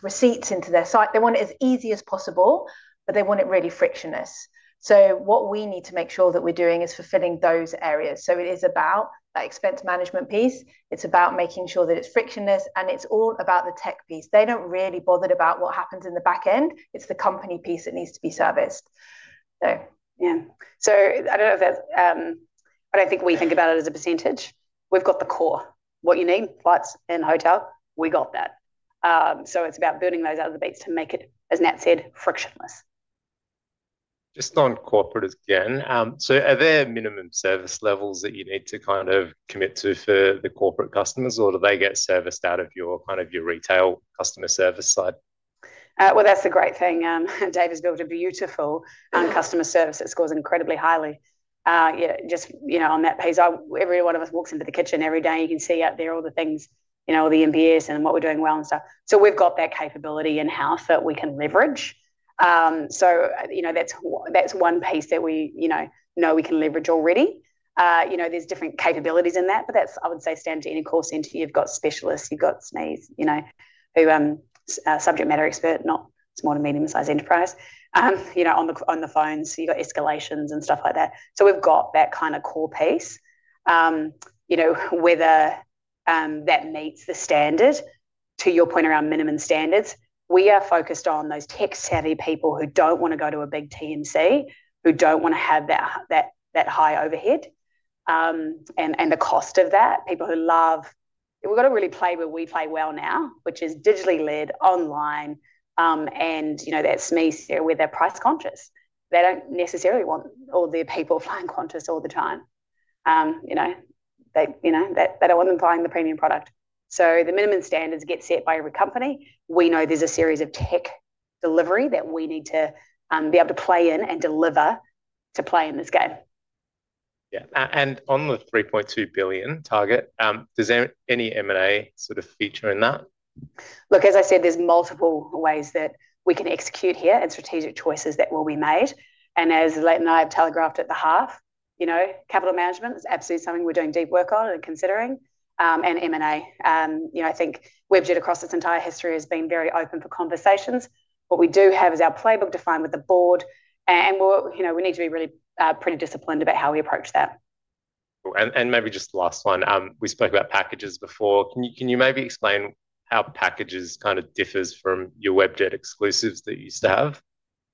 Speaker 2: receipts into their site. They want it as easy as possible, but they want it really frictionless. What we need to make sure that we're doing is fulfilling those areas. It is about that expense management piece. It's about making sure that it's frictionless. It's all about the tech piece. They don't really bother about what happens in the back end. It's the company piece that needs to be serviced. Yeah. I don't know if that's—but I think we think about it as a percentage. We've got the core. What you need, flights and hotel, we got that. It's about building those out of the beats to make it, as Nat said, frictionless. Just on corporate again. Are there minimum service levels that you need to kind of commit to for the corporate customers, or do they get serviced out of your kind of your retail customer service side? That's the great thing. David's built a beautiful customer service that scores incredibly highly. Just on that piece, every one of us walks into the kitchen every day. You can see out there all the things, the MBS and what we're doing well and stuff. We've got that capability in-house that we can leverage. That's one piece that we know we can leverage already. There are different capabilities in that, but that's, I would say, standard to any core center. You've got specialists. You've got SMEs, subject matter expert, not small to medium-sized enterprise on the phones. You've got escalations and stuff like that. We've got that kind of core piece, whether that meets the standard. To your point around minimum standards, we are focused on those tech-savvy people who don't want to go to a big TMC, who don't want to have that high overhead, and the cost of that. People who love—we've got to really play where we play well now, which is digitally led, online. That SMEs here with their price conscious. They don't necessarily want all their people flying conscious all the time. They don't want them buying the premium product. The minimum standards get set by every company. We know there's a series of tech delivery that we need to be able to play in and deliver to play in this game. Yeah. On the 3.2 billion target, does any M&A sort of feature in that? Look, as I said, there's multiple ways that we can execute here and strategic choices that will be made. As Layton and I have telegraphed at the heart, capital management is absolutely something we're doing deep work on and considering. M&A, I think Webjet across its entire history has been very open for conversations. What we do have is our playbook defined with the board. We need to be really pretty disciplined about how we approach that. Maybe just the last one. We spoke about packages before. Can you maybe explain how packages kind of differs from your Webjet Exclusives that you used to have?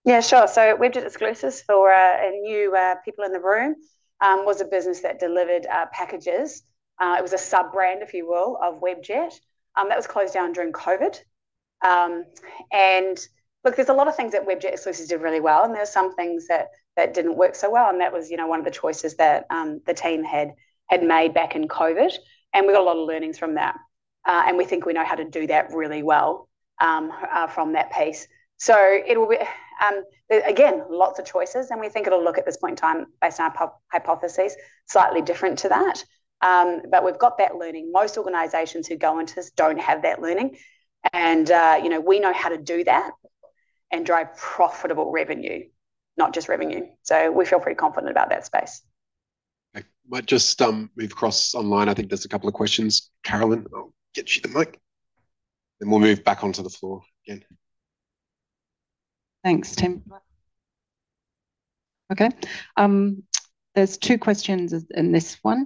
Speaker 2: Yeah, sure. Webjet exclusives for new people in the room was a business that delivered packages. It was a sub-brand, if you will, of Webjet that was closed down during COVID. Look, there's a lot of things that Webjet Exclusives did really well. There were some things that did not work so well. That was one of the choices that the team had made back in COVID. We got a lot of learnings from that. We think we know how to do that really well from that piece. It will be, again, lots of choices. We think it will look at this point in time, based on our hypotheses, slightly different to that. We have that learning. Most organizations who go into this do not have that learning. We know how to do that and drive profitable revenue, not just revenue. We feel pretty confident about that space. We have crossed online. I think there are a couple of questions. Carolyn, I will get you the mic. We will move back onto the floor again. Thanks, Tim. Okay. There's two questions in this one.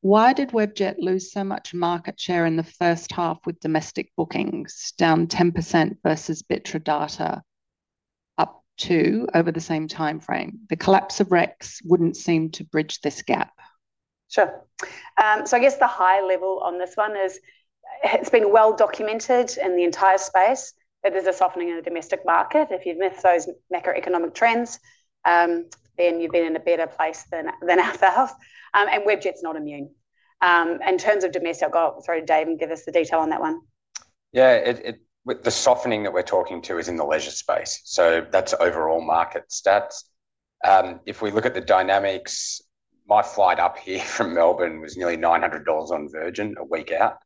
Speaker 2: Why did Webjet lose so much market share in the first half with domestic bookings down 10% versus Bitradata up to over the same timeframe? The collapse of Rex wouldn't seem to bridge this gap. Sure. I guess the high level on this one is it's been well documented in the entire space that there's a softening in the domestic market. If you've missed those macroeconomic trends, then you've been in a better place than ourselves. Webjet's not immune. In terms of domestic, I'll go through Dave and give us the detail on that one.
Speaker 3: Yeah. The softening that we're talking to is in the leisure space. That's overall market stats. If we look at the dynamics, my flight up here from Melbourne was nearly 900 dollars on Virgin a week out.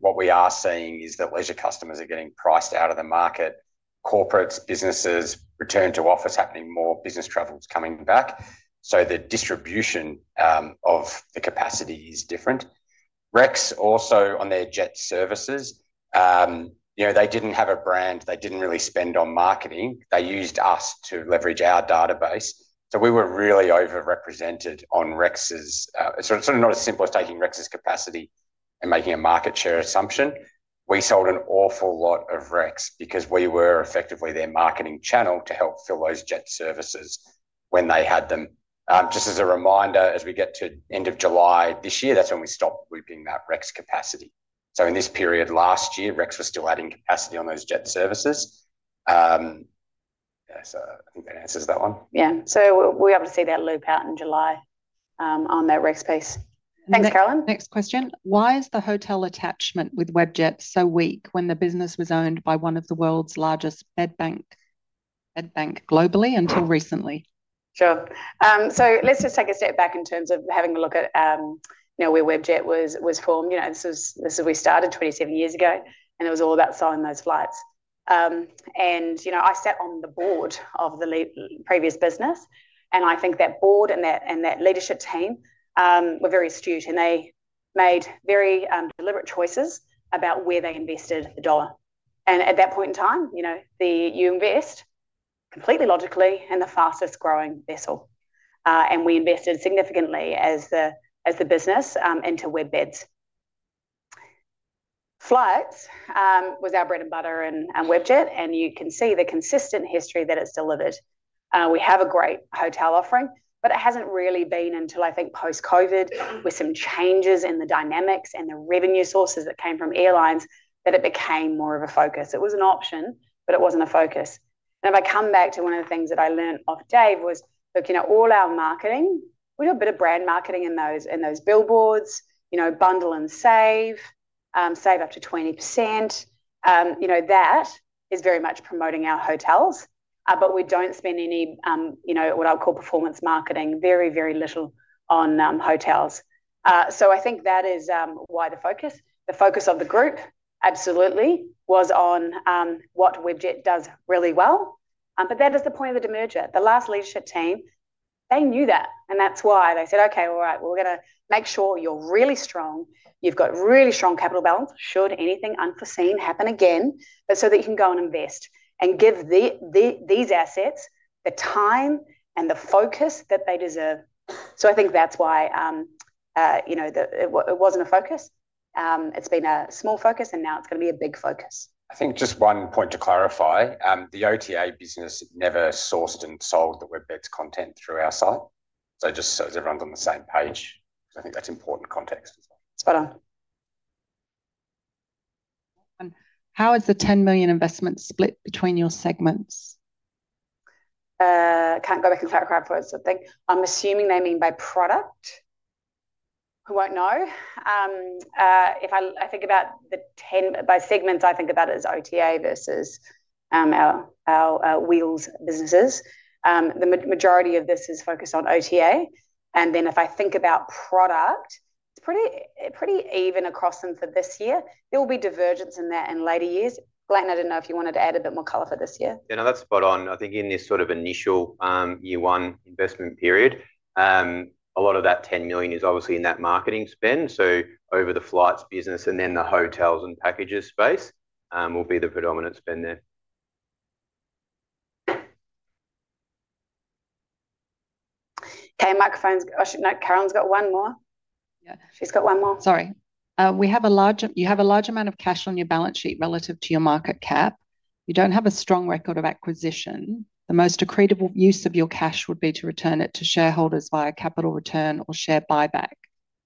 Speaker 3: What we are seeing is that leisure customers are getting priced out of the market. Corporates, businesses, return to office happening, more business travel is coming back. The distribution of the capacity is different. Rex also on their jet services, they did not have a brand. They did not really spend on marketing. They used us to leverage our database. We were really overrepresented on Rex's, sort of not as simple as taking Rex's capacity and making a market share assumption. We sold an awful lot of Rex because we were effectively their marketing channel to help fill those jet services when they had them. Just as a reminder, as we get to the end of July this year, that is when we stopped looping that Rex capacity. In this period last year, Rex was still adding capacity on those jet services. Yeah. I think that answers that one.
Speaker 2: Yeah. We'll be able to see that loop out in July on that Rex piece. Thanks, Carolyn. Next question. Why is the hotel attachment with Webjet so weak when the business was owned by one of the world's largest bed bank globally until recently? Sure. Let's just take a step back in terms of having a look at where Webjet was formed. This is where we started 27 years ago, and it was all about selling those flights. I sat on the board of the previous business. I think that board and that leadership team were very astute. They made very deliberate choices about where they invested the dollar. At that point in time, you invest completely logically in the fastest growing vessel. We invested significantly as the business into WebBeds. Flights was our bread and butter and Webjet. You can see the consistent history that it's delivered. We have a great hotel offering, but it hasn't really been until, I think, post-COVID, with some changes in the dynamics and the revenue sources that came from airlines, that it became more of a focus. It was an option, but it wasn't a focus. If I come back to one of the things that I learned off Dave was looking at all our marketing. We do a bit of brand marketing in those billboards, bundle and save, save up to 20%. That is very much promoting our hotels. We don't spend any what I'll call performance marketing, very, very little on hotels. I think that is why the focus. The focus of the group, absolutely, was on what Webjet does really well. That is the point of the demerger. The last leadership team, they knew that. That is why they said, "Okay, all right. We're going to make sure you're really strong. You've got really strong capital balance. Should anything unforeseen happen again, but so that you can go and invest and give these assets the time and the focus that they deserve." I think that is why it was not a focus. It has been a small focus, and now it is going to be a big focus.
Speaker 3: I think just one point to clarify. The OTA business never sourced and sold the WebBeds content through our site. Just so everyone's on the same page. I think that is important context. Spot on. How is the 10 million investment split between your segments? Can you go back and clarify for us, I think. I'm assuming they mean by product.
Speaker 2: I will not know. If I think about the 10 by segments, I think about it as OTA versus our wheels businesses. The majority of this is focused on OTA. If I think about product, it's pretty even across them for this year. There will be divergence in that in later years. Layton, I didn't know if you wanted to add a bit more color for this year.
Speaker 5: Yeah. No, that's spot on. I think in this sort of initial year one investment period, a lot of that 10 million is obviously in that marketing spend. Over the flights business and then the hotels and packages space will be the predominant spend there.
Speaker 2: Okay. Microphone's go. Carolyn's got one more. She's got one more. Sorry. You have a large amount of cash on your balance sheet relative to your market cap. You don't have a strong record of acquisition. The most accretable use of your cash would be to return it to shareholders via capital return or share buyback.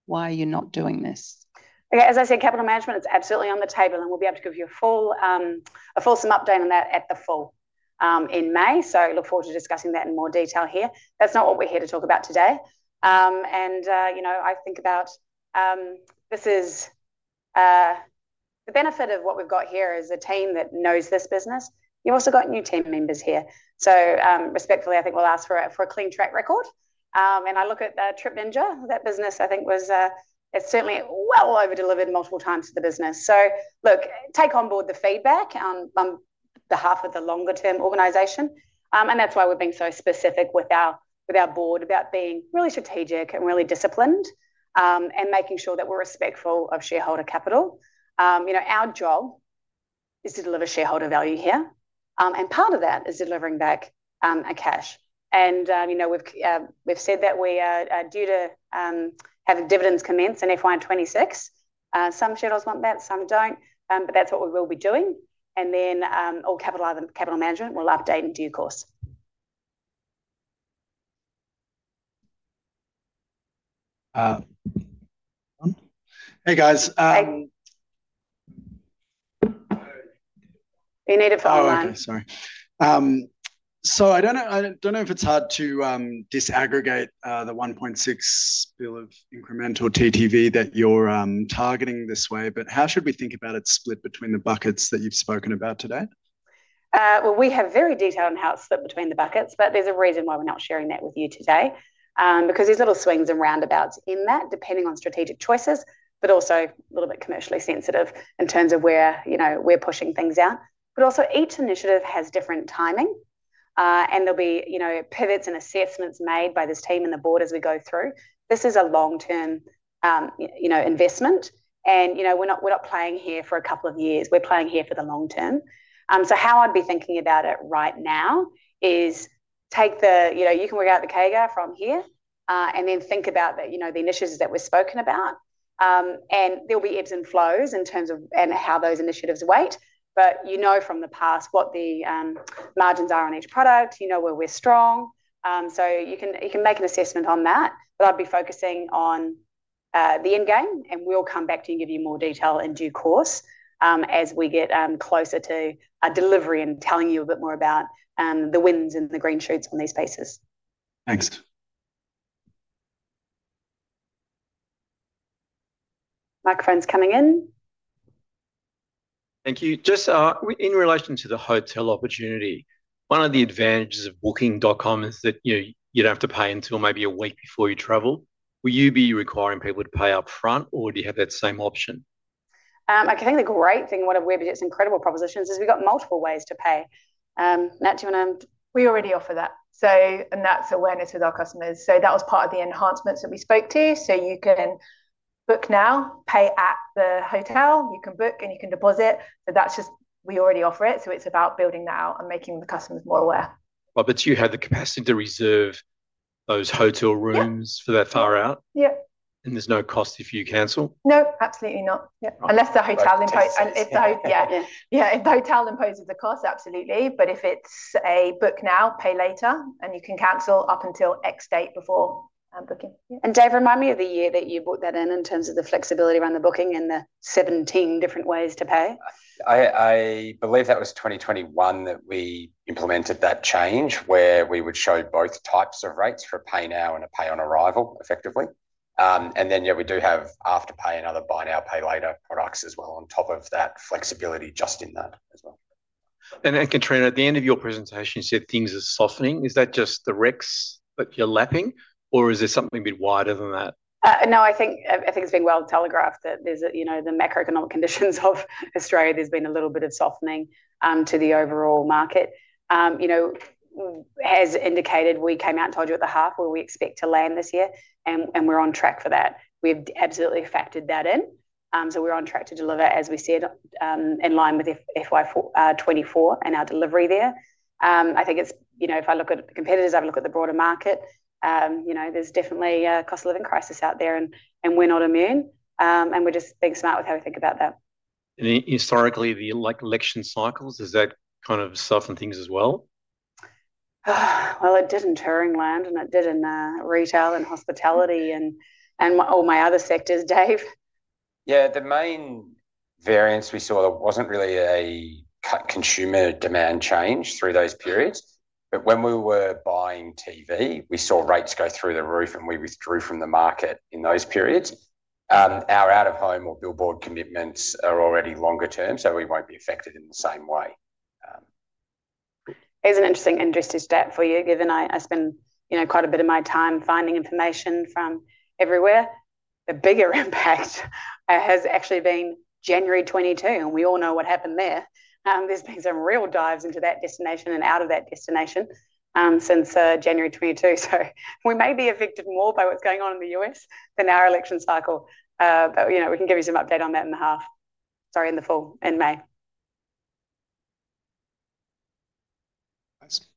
Speaker 2: Why are you not doing this? As I said, capital management, it's absolutely on the table. We will be able to give you a full sum update on that at the full in May. Look forward to discussing that in more detail here. That is not what we are here to talk about today. I think about this as the benefit of what we have got here is a team that knows this business. You have also got new team members here. Respectfully, I think we will ask for a clean track record. I look at Trip Ninja. That business, I think, was certainly well overdelivered multiple times to the business. Take on board the feedback on behalf of the longer-term organization. That is why we have been so specific with our board about being really strategic and really disciplined and making sure that we are respectful of shareholder capital. Our job is to deliver shareholder value here. Part of that is delivering back a cash. We have said that we are due to have dividends commenced in FY 2026. Some shareholders want that. Some do not. That is what we will be doing. All capital management will update in due course. Hey, guys. Hey. You need to follow on. Oh, okay. Sorry. I do not know if it is hard to disaggregate the 1.6 billion of incremental TTV that you are targeting this way. How should we think about its split between the buckets that you have spoken about today? We have very detailed in-house split between the buckets, but there is a reason why we are not sharing that with you today. Because there's little swings and roundabouts in that, depending on strategic choices, but also a little bit commercially sensitive in terms of where we're pushing things out. Also, each initiative has different timing. There'll be pivots and assessments made by this team and the board as we go through. This is a long-term investment. We're not playing here for a couple of years. We're playing here for the long term. How I'd be thinking about it right now is take the you can work out the CAGR from here and then think about the initiatives that we've spoken about. There'll be ebbs and flows in terms of how those initiatives weight. You know from the past what the margins are on each product. You know where we're strong. You can make an assessment on that. I'd be focusing on the end game. We will come back to you and give you more detail in due course as we get closer to delivery and telling you a bit more about the wins and the green shoots on these bases. Thanks. Microphone's coming in. Thank you. Just in relation to the hotel opportunity, one of the advantages of Booking.com is that you do not have to pay until maybe a week before you travel. Will you be requiring people to pay upfront, or do you have that same option? I think the great thing, one of Webjet's incredible propositions, is we have got multiple ways to pay. Natcham and I am, we already offer that. And that is awareness with our customers. That was part of the enhancements that we spoke to. You can book now, pay at the hotel. You can book, and you can deposit. That is just, we already offer it. It is about building that out and making the customers more aware. You have the capacity to reserve those hotel rooms for that far out? Yeah. There is no cost if you cancel? No, absolutely not. Unless the hotel imposes the cost, absolutely. If it is a book now, pay later. You can cancel up until X date before booking. Dave, remind me of the year that you booked that in in terms of the flexibility around the booking and the 17 different ways to pay.
Speaker 3: I believe that was 2021 that we implemented that change where we would show both types of rates for pay now and a pay on arrival, effectively. We do have Afterpay and other buy now, pay later products as well on top of that flexibility just in that as well. Katrina, at the end of your presentation, you said things are softening. Is that just the Rex that you're lapping, or is there something a bit wider than that?
Speaker 2: No, I think it's been well telegraphed that there's the macroeconomic conditions of Australia. There's been a little bit of softening to the overall market. As indicated, we came out and told you at the half where we expect to land this year. We're on track for that. We've absolutely factored that in. We're on track to deliver as we said in line with FY 2024 and our delivery there. I think if I look at the competitors, I look at the broader market, there's definitely a cost of living crisis out there. We're not immune. We're just being smart with how we think about that. Historically, the election cycles, has that kind of softened things as well? It did in Turingland, and it did in retail and hospitality and all my other sectors, Dave.
Speaker 3: Yeah. The main variance we saw, there wasn't really a consumer demand change through those periods. When we were buying TV, we saw rates go through the roof, and we withdrew from the market in those periods. Our out-of-home or billboard commitments are already longer-term, so we won't be affected in the same way.
Speaker 2: Here's an interesting stat for you, given I spend quite a bit of my time finding information from everywhere. The bigger impact has actually been January 2022. We all know what happened there. There's been some real dives into that destination and out of that destination since January 2022. We may be affected more by what's going on in the US than our election cycle. We can give you some update on that in the half. Sorry, in the full in May.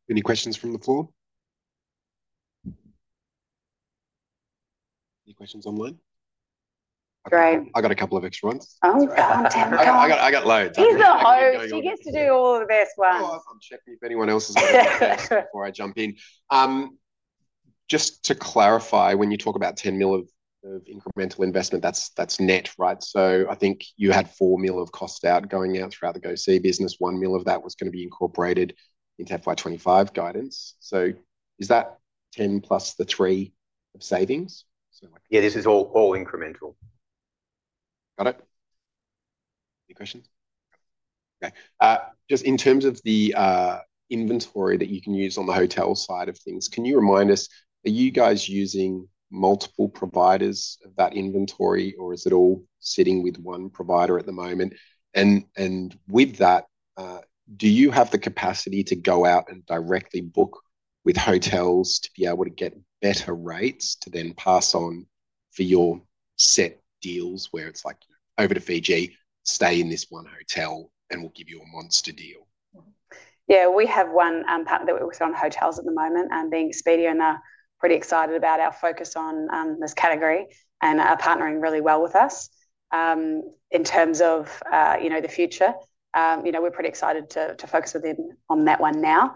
Speaker 3: Nice. Any questions from the floor? Any questions online? I've got a couple of extra ones. Oh, I've got loads. He's the host. He gets to do all the best ones. I'm checking if anyone else has got a question before I jump in. Just to clarify, when you talk about 10 million of incremental investment, that's net, right? I think you had 4 million of costs going out throughout the Go See business. 1 million of that was going to be incorporated into FY 2025 guidance. Is that 10 plus the 3 of savings? Yeah, this is all incremental. Got it. Any questions? Okay. Just in terms of the inventory that you can use on the hotel side of things, can you remind us, are you guys using multiple providers of that inventory, or is it all sitting with one provider at the moment? With that, do you have the capacity to go out and directly book with hotels to be able to get better rates to then pass on for your set deals where it's like, "Over to Fiji, stay in this one hotel, and we'll give you a monster deal."
Speaker 2: Yeah, we have one partner that we also own hotels at the moment. Being speedy, we're now pretty excited about our focus on this category. Our partnering is really well with us in terms of the future. We're pretty excited to focus on that one now.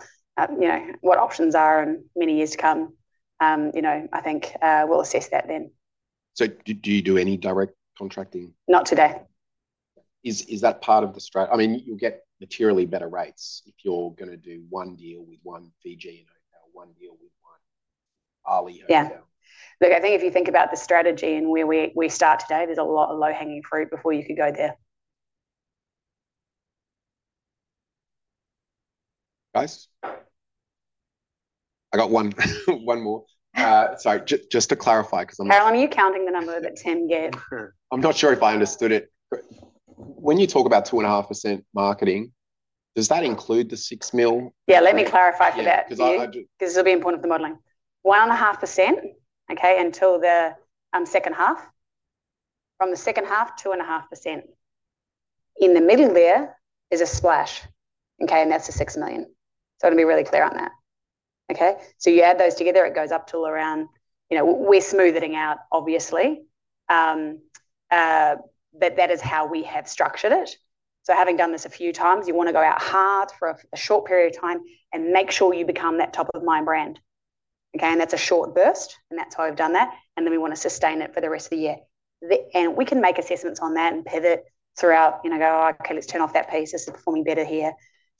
Speaker 2: What options are in many years to come, I think we'll assess that then. Do you do any direct contracting? Not today. Is that part of the strategy? I mean, you'll get materially better rates if you're going to do one deal with one Fiji hotel, one deal with one Ali hotel. Yeah. Look, I think if you think about the strategy and where we start today, there's a lot of low-hanging fruit before you could go there. Guys, I got one more. Sorry, just to clarify because I'm Carolyn, are you counting the number that Tim gave? I'm not sure if I understood it. When you talk about 2.5% marketing, does that include the 6 million? Yeah, let me clarify for that. Because it'll be important for the modeling. 1.5% until the second half. From the second half, 2.5%. In the middle there is a splash. Okay, and that's the 6 million. So I want to be really clear on that. Okay? You add those together, it goes up to around—we're smoothing out, obviously. That is how we have structured it. Having done this a few times, you want to go out hard for a short period of time and make sure you become that top-of-mind brand. That is a short burst. That is how we've done that. Then we want to sustain it for the rest of the year. We can make assessments on that and pivot throughout and go, "Okay, let's turn off that piece. This is performing better here."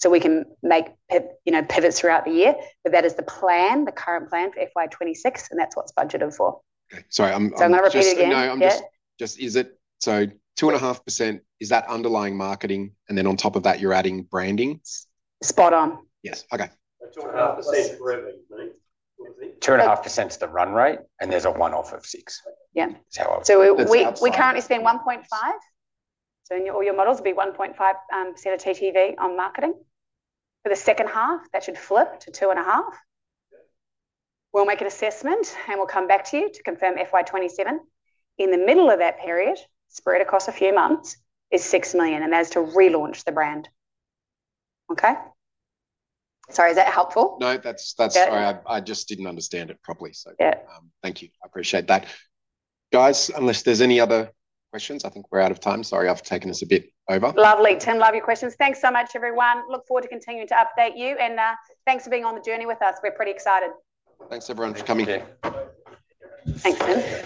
Speaker 2: We can make pivots throughout the year. That is the plan, the current plan for FY 2026. That is what's budgeted for. Sorry, I'm not repeating yet. Just is it, so 2.5%, is that underlying marketing? Then on top of that, you're adding branding? Spot on. Yes. Okay. 2.5% is the run rate. And there's a one-off of six. Yeah. We currently spend 1.5. All your models will be 1.5% of TTV on marketing. For the second half, that should flip to 2.5%. We'll make an assessment, and we'll come back to you to confirm FY 2027. In the middle of that period, spread across a few months, is 6 million and that is to relaunch the brand. Okay? Sorry, is that helpful? No, that's fine. I just didn't understand it properly. Thank you. I appreciate that. Guys, unless there's any other questions, I think we're out of time. Sorry, I've taken us a bit over. Lovely. Tim, love your questions. Thanks so much, everyone. Look forward to continuing to update you. And thanks for being on the journey with us. We're pretty excited. Thanks, everyone, for coming. Thanks, Tim.